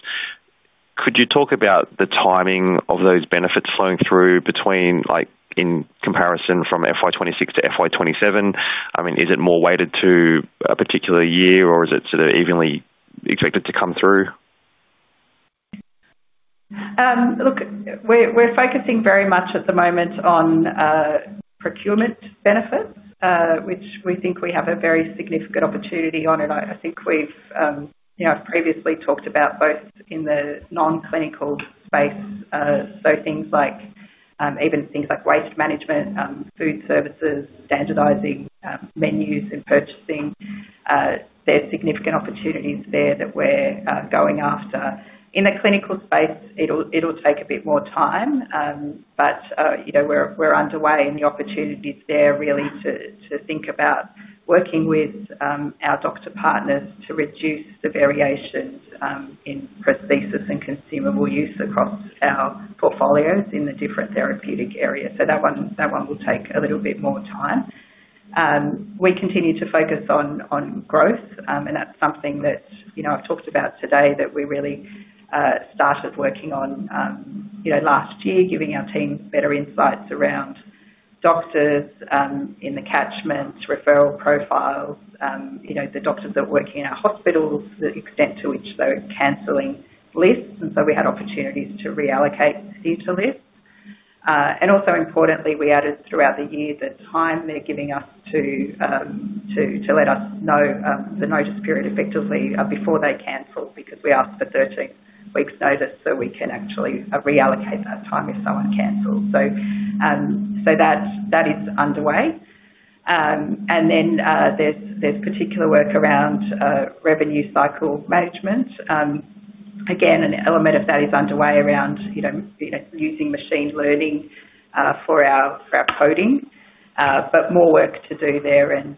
could you talk about the timing of those benefits flowing through in comparison from FY 2026 to FY 2027? Is it more weighted to a particular year, or is it sort of evenly expected to come through? Look, we're focusing very much at the moment on procurement benefits, which we think we have a very significant opportunity on. I think we've, you know, I've previously talked about both in the non-clinical space. Things like waste management, food services, standardizing menus and purchasing, there's significant opportunities there that we're going after. In a clinical space, it'll take a bit more time, but, you know, we're underway and the opportunity is there really to think about working with our doctor partners to reduce the variation in prosthesis and consumable use across our portfolios in the different therapeutic areas. That one will take a little bit more time. We continue to focus on growth and that's something that I've talked about today, that we really started working on last year, giving our team better insights around doctors in the catchment referral profiles, you know, the doctors that work in our hospitals, the extent to which they're canceling lists. We had opportunities to reallocate to lists and also importantly, we added throughout the year the time they're giving us to let us know the notice period effectively before they cancel, because we ask for 13 weeks' notice. We can actually reallocate that time if someone cancels. That is underway. There's particular work around revenue cycle management. Again, an element of that is underway around using machine learning for our coding, but more work to do there and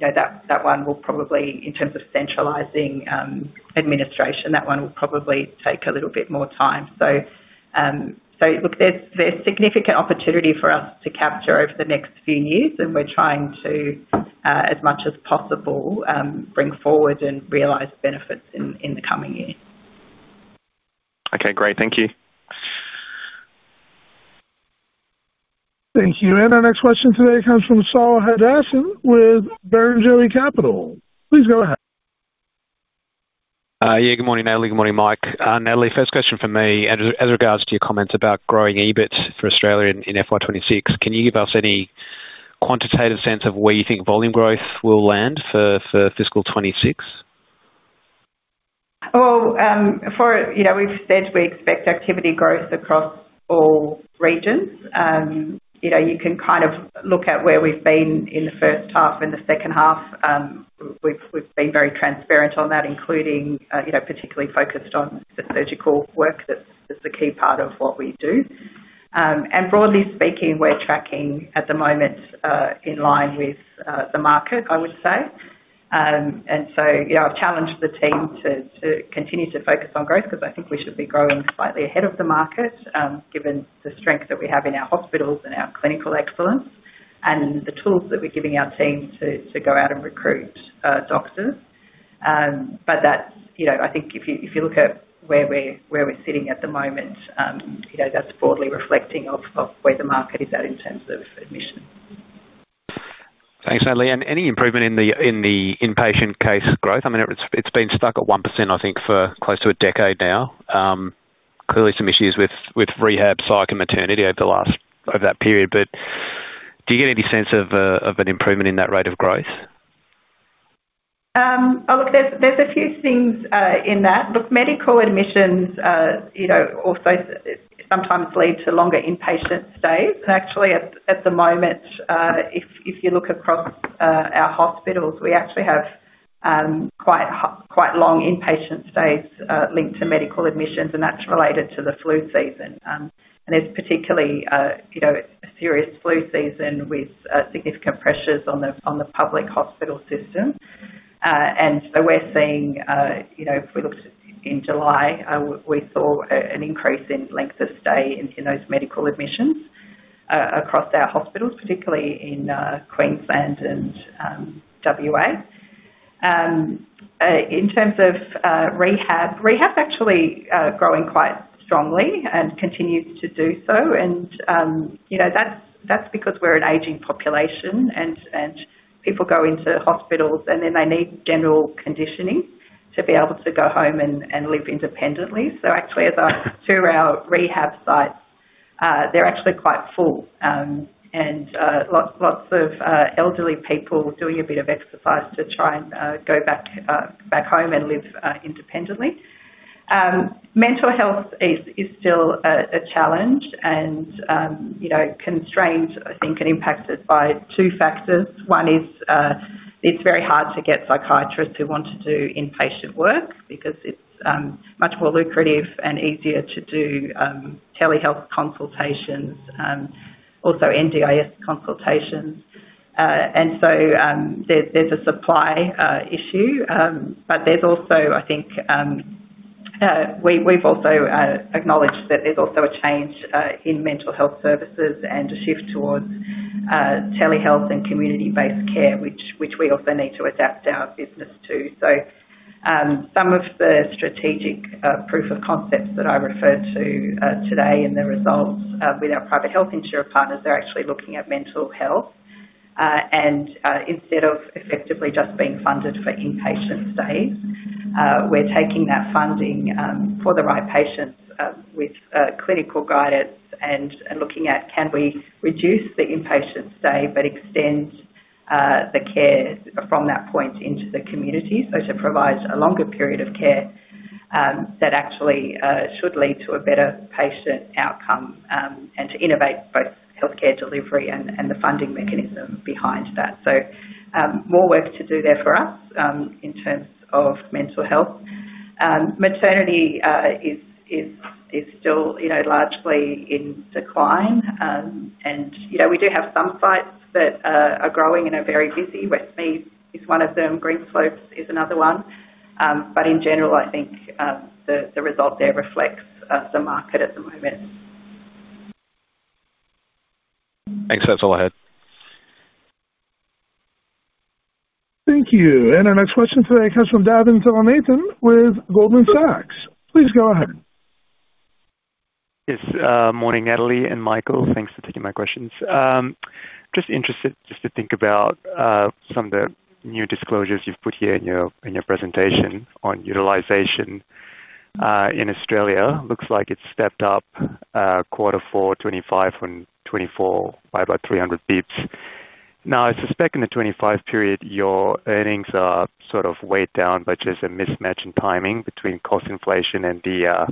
that one will probably, in terms of centralizing administration, that one will probably take a little bit more time. There's significant opportunity for us to capture over the next few years and we're trying to, as much as possible, bring forward and realize benefits in the coming year. Okay, great, thank you. Thank you. Our next question today comes from Saul Hadassin with Barrenjoey Capital. Please go ahead. Yeah. Good morning, Natalie. Good morning, Mike. Natalie, first question for me as regards to your comments about growing EBIT for Australia in FY 2026, can you give us any quantitative sense of where you think volume growth will land for fiscal 2026? We've said we expect activity growth across all regions. You can kind of look at where we've been in the first half and the second half. We've been very transparent on that, particularly focused on the surgical work. That's the key part of what we do. Broadly speaking, we're tracking at the moment in line with the market, I would say. I've challenged the team to continue to focus on growth because I think we should be growing slightly ahead of the market, given the strength that we have in our hospitals, our clinical excellence, and the tools that we're giving our team to go out and recruit doctors. I think if you look at where we're sitting at the moment, that's broadly reflective of where the market is at in terms of admission. Thanks, Natalie. Is there any improvement in the inpatient case growth? I mean it's been stuck at 1% I think for close to a decade now. Clearly there have been some issues with rehab, psych, and maternity over that period. Do you get any sense of an improvement in that rate of growth? Look, there's a few things in that. Medical admissions also sometimes lead to longer inpatient stays, and actually at the moment, if you look across our hospitals, we actually have quite long inpatient stays linked to medical admissions. That's related to the flu season, and it's particularly a serious flu season with significant pressures on the public hospital system. We're seeing, if we looked in July, we saw an increase in length of stay in those medical admissions across our hospitals, particularly in Queensland and WA. In terms of rehab, rehab is actually growing quite strongly and continues to do so. That's because we're an aging population, and people go into hospitals and then they need general conditioning to be able to go home and live independently. Actually, as a two-hour rehab site, they're actually quite full and lots of elderly people doing a bit of exercise to try and go back home and live independently. Mental health is still a challenge and constrained, I think, impacted by two factors. One is it's very hard to get psychiatrists who want to do inpatient work because it's much more lucrative and easier to do telehealth consultations, also NDIS consultations. There's a supply issue, but I think we've also acknowledged that there's a change in mental health services and a shift towards telehealth and community-based care, which we also need to adapt our business to. Some of the strategic proof of concepts that I referred to today and the results with our private health insurer partners, they're actually looking at mental health, and instead of effectively just being funded for inpatient stays, we're taking that funding for the right patients with clinical guidance and looking at can we reduce the inpatient stay but extend the care from that point into the community. To provide a longer period of care that actually should lead to a better patient outcome and to innovate both healthcare delivery and the funding mechanism behind that. More work to do there for us in terms of mental health. Maternity is still largely in decline, and we do have some sites that are growing and are very busy. Westmead is one of them. Greenslopes is another one. In general, I think the result there reflects the market at the moment. Thanks. That's all ahead. Thank you. Our next question today comes from Davin Thillainathan with Goldman Sachs. Please go ahead. Yes. Morning Natalie and Michael. Thanks for taking my questions. Just interested to think about some of the new disclosures you've put here in your presentation on utilization in Australia. Looks like it stepped up Q4 2025 from 2024 by about 300 basis points. I suspect in the 2025 period your earnings are sort of weighed down, just a mismatch in timing between cost inflation and the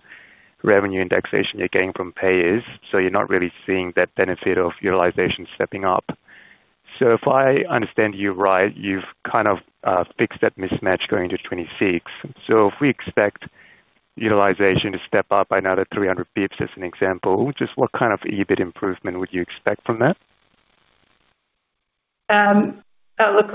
revenue indexation you're getting from payers. You're not really seeing that benefit of utilization stepping up. If I understand you right, you've kind of fixed that mismatch going to 2026. If we expect utilization to step up by another 300 basis points as an example, just what kind of EBIT improvement would you expect from that? Look,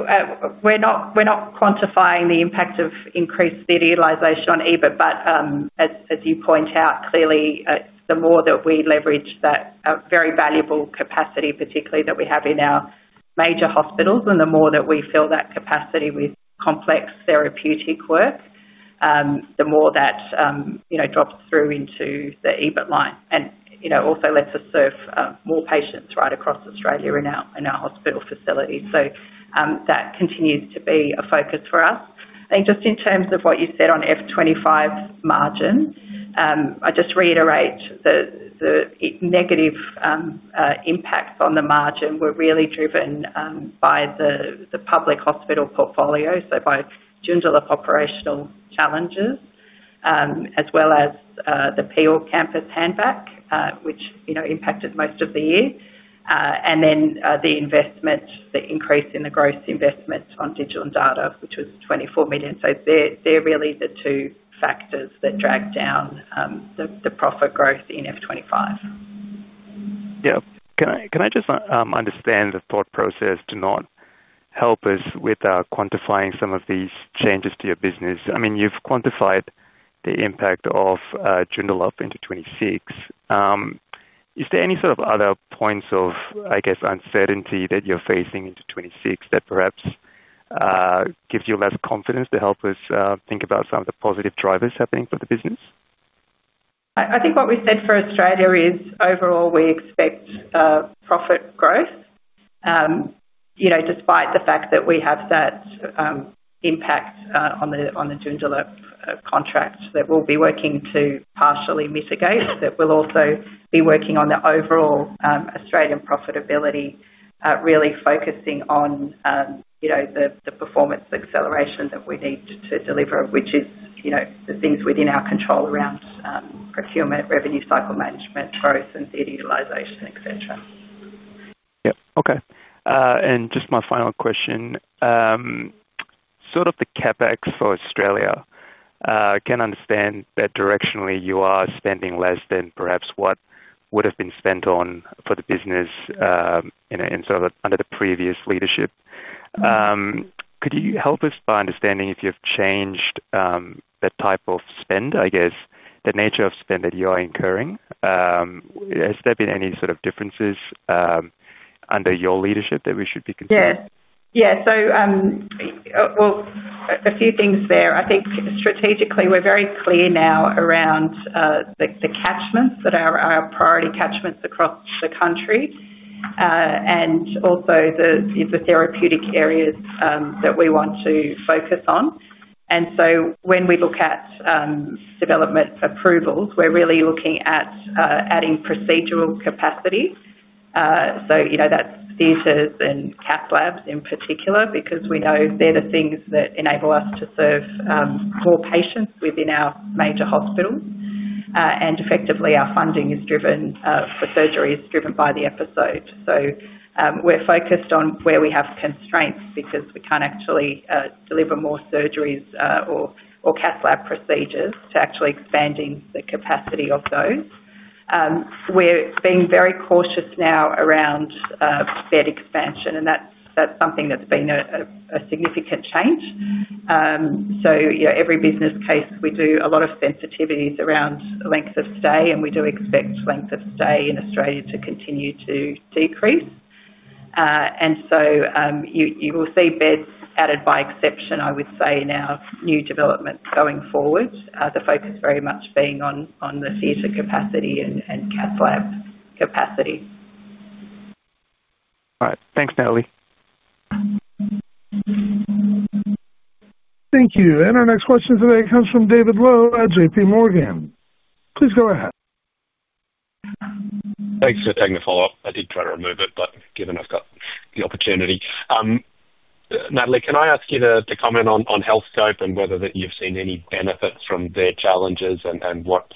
we're not quantifying the impact of increased theater utilization on EBIT, but as you point out, clearly the more that we leverage that very valuable capacity, particularly that we have in our major hospitals, and the more that we fill that capacity with complex therapeutic work, the more that, you know, drops through into the EBIT line and, you know, also lets us serve more patients right across Australia in our hospital facilities. That continues to be a focus for us. I think just in terms of what you said on FY 2025 margin, I just reiterate the negative impacts on the margin were really driven by the public hospital portfolio. Both Joondalup operational challenges as well as the Peel Health Campus, which impacted most of the year, and then the increase in the gross investment on digital and data, which was 24 million. They're really the two factors that drag down the profit growth in FY 2025. Yeah. Can I just understand the thought process to help us with quantifying some of these changes to your business? I mean, you've quantified the impact of Joondalup into 2026. Is there any sort of other points of, I guess, uncertainty that you're facing into 2026 that perhaps gives you a lot of confidence to help us think about some of the positive drivers happening for the business? I think what we said for Australia is overall we expect profit growth, despite the fact that we have that impact on the Joondalup contract that we'll be working to partially mitigate. We'll also be working on the overall Australian profitability, really focusing on the performance acceleration that we need to deliver, which is the things within our control around procurement, revenue cycle management, growth, and theater utilization, etc. Yep. Okay. My final question. Sort of. The CapEx for Australia, I can understand that directionally you are spending less than perhaps what would have been spent on for the business under the previous leadership. Could you help us by understanding if you've changed the type of spend, I guess, the nature of spend that you are incurring? Has there been any sort of differences under your leadership that we should be considering? Yeah, yeah. A few things there. I think strategically we're very clear now around the catchments that are our priority catchments across the country and also the therapeutic areas that we want to focus on. When we look at development approvals, we're really looking at adding procedural capacity. That's theaters and cath labs in particular, because we know they're the things that enable us to serve core patients within our major hospitals. Effectively, our funding for surgery is driven by the episode. We're focused on where we have constraints because we can't actually deliver more surgeries or cath lab procedures, to actually expanding the capacity of those. We're being very cautious now around bed expansion and that's something that's been a significant change. Every business case, we do a lot of sensitivities around length of stay and we do expect length of stay in Australia to continue to decrease. You will see beds added by exception, I would say, in our new developments going forward, the focus very much being on the theater capacity and capital capacity. Right, thanks, Natalie. Thank you. Our next question today comes from David Low at JPMorgan. Please go ahead. Thanks for taking the follow up. I did try to remove it, but given I've got the opportunity. Natalie, can I ask you to comment? On Healthscope and whether that you've seen any benefits from their challenges and what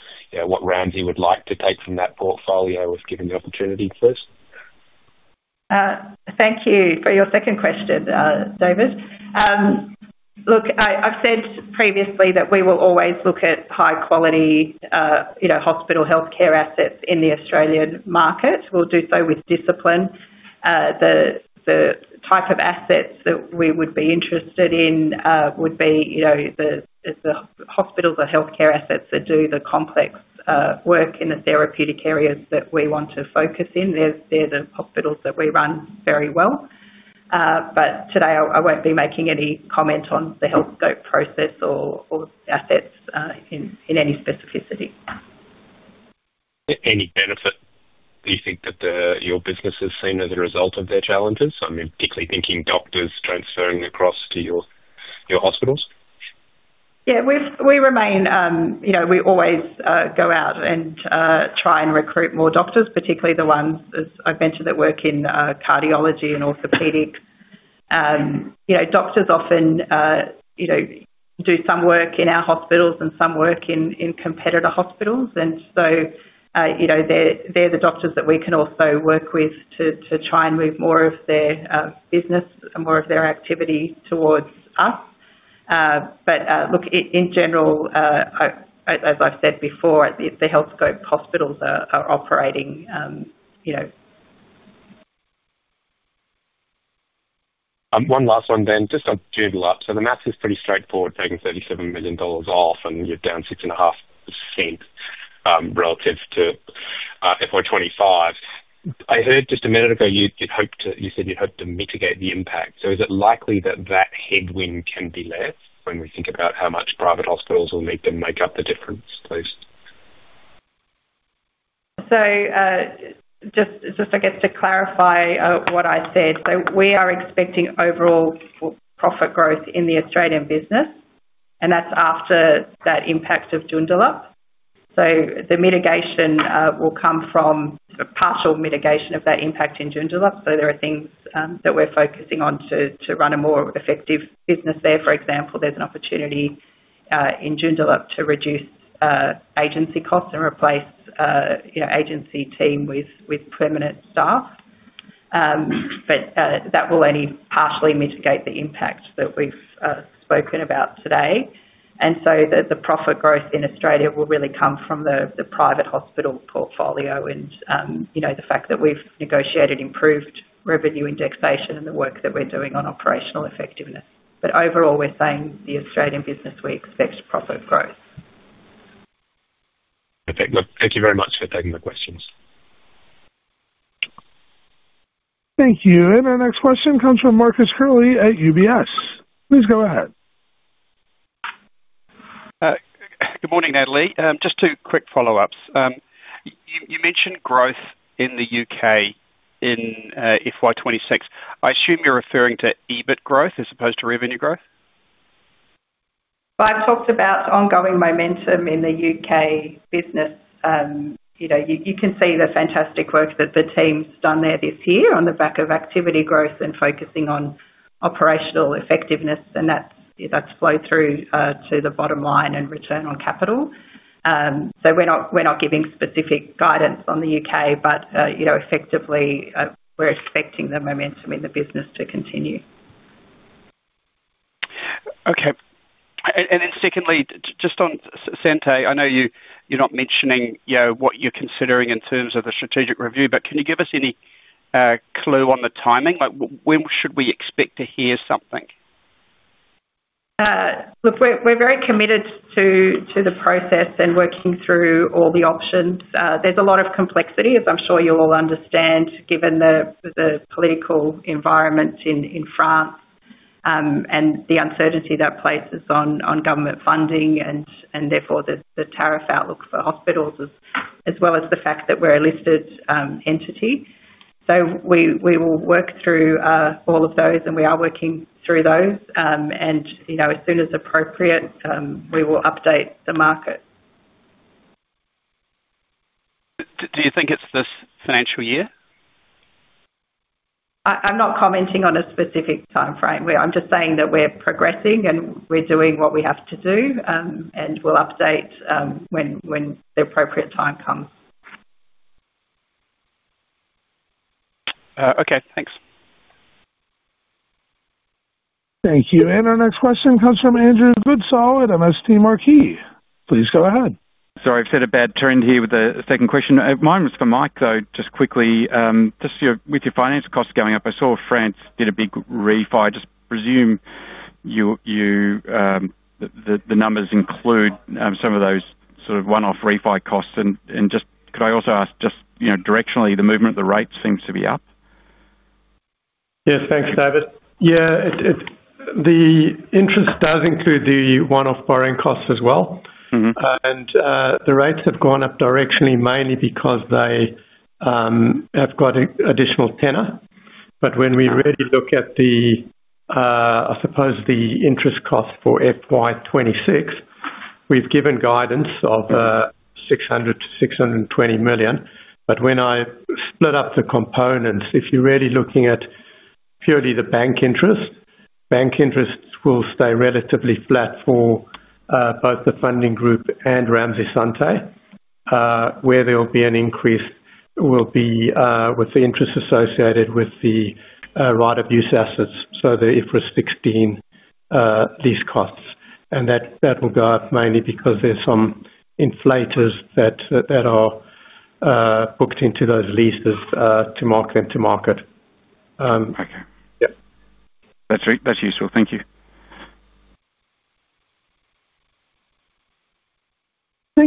Ramsay would like to take from that portfolio if given the opportunity first. Thank you for your second question, David. I've said previously that we will always look at high quality hospital health care assets in the Australian market. We'll do so with discipline. The type of assets that we would be interested in would be the hospitals or healthcare assets that do the complex work in the therapeutic areas that we want to focus in. They're the hospitals that we run very well. Today I won't be making any comment on the Healthscope process or assets in any specificity, any benefit do. You think that your business has seen as a result of their challenges? I mean, particularly thinking doctors transferring across to your hospitals? Yeah, we remain, you know, we always go out and try and recruit more doctors, particularly the ones I've mentioned that work in cardiology and orthopaedics. You know, doctors often do some work in our hospitals and some work in competitor hospitals. They're the doctors that we can also work with to try and move more of their business, more of their activity towards us. In general, as I've said before, the Healthscope hospitals are operating. One last one, Dan, just on Joondalup. The math is pretty straightforward. Taking 37 million dollars off and you're down 6.5% relative to FY 2025. I heard just a minute ago you said you'd hope to mitigate the impact. Is it likely that that headwind can be left when we think about how much private hospitals will need to make up the difference? Please. Just to clarify what I said, we are expecting overall profit growth in the Australian business and that's after that impact of Joondalup. The mitigation will come from partial mitigation of that impact in Joondalup. There are things that we're focusing on to run a more effective business there. For example, there's an opportunity in Joondalup to reduce agency costs and replace agency team with permanent staff. That will only partially mitigate the impact that we've spoken about today. The profit growth in Australia will really come from the private hospital portfolio and the fact that we've negotiated improved revenue indexation and the work that we're doing on operational effectiveness. Overall, we're saying the Australian business, we expect profit growth. Okay, thank you very much for taking the questions. Thank you. Our next question comes from Marcus Curley at UBS. Please go ahead. Good morning, Natalie. Just two quick follow-ups. You mentioned growth in the U.K. in FY 2026. I assume you're referring to EBIT growth as opposed to revenue growth. I've talked about ongoing momentum in the U.K. business. You can see the fantastic work that the team's done there this year on the back of activity growth and focusing on operational effectiveness, and that's flowed through to the bottom line and return on capital. We're not giving specific guidance on the U.K., but effectively we're expecting the momentum in the business to continue. Okay. Secondly, just on Santé, I know you're not mentioning what you're considering in terms of the strategic review, but can you give us any clue on the timing, like when. Should we expect to hear something? Look, we're very committed to the process and working through all the options. There's a lot of complexity, as I'm sure you'll all understand, given the political environment in France and the uncertainty that places on government funding and therefore the tariff outlook for hospitals, as well as the fact that we're a listed entity. We will work through all of those and we are working through those, and as soon as appropriate, we will update the market. Do you think it's this financial year? I'm not commenting on a specific time frame. I'm just saying that we're progressing and we're doing what we have to do, and we'll update when the appropriate time comes. Okay, thanks. Thank you. Our next question comes from Andrew Goodsall at MST Marquee. Please go ahead. Sorry, I've set a bad trend here with the second question. Mine was for Mike though. Just quickly, just with your finance costs going up, I saw France did a big refi. I just presume the numbers include some of those sort of one-off refi costs, and just could I also ask, just, you know, directionally the movement, the rate seems to be up. Yes, thanks, David. Yeah. The interest does include the one-off borrowing costs as well. The rates have gone up directionally mainly because they have got additional tenor. When we really look at the, I suppose, the interest cost for FY 2026, we've given guidance of 600 million-620 million. When I split up the components, if you're really looking at purely the bank interest, bank interest will stay relatively flat for both the Funding Group and Ramsay Santé. Where there will be an increase will be with the interest associated with the right of use assets, so the IFRS 16 lease costs, and that will go up mainly because there's some inflators that are booked into those leases to mark them to market. Okay, yeah, that's useful. Thank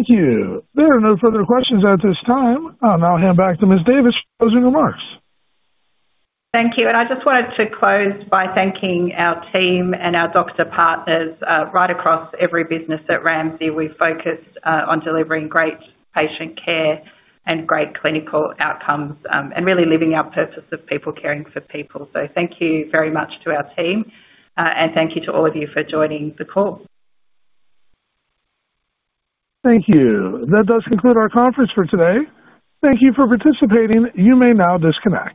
you. There are no further questions at this time. Now hand back to Ms. Davis for closing remarks. Thank you. I just wanted to close by thanking our team and our doctor partners. Right across every business at Ramsay, we focused on delivering great patient care and great clinical outcomes and really living our purpose of people caring for people. Thank you very much to our team and thank you to all of you for joining the call. Thank you. That does conclude our conference for today. Thank you for participating. You may now disconnect.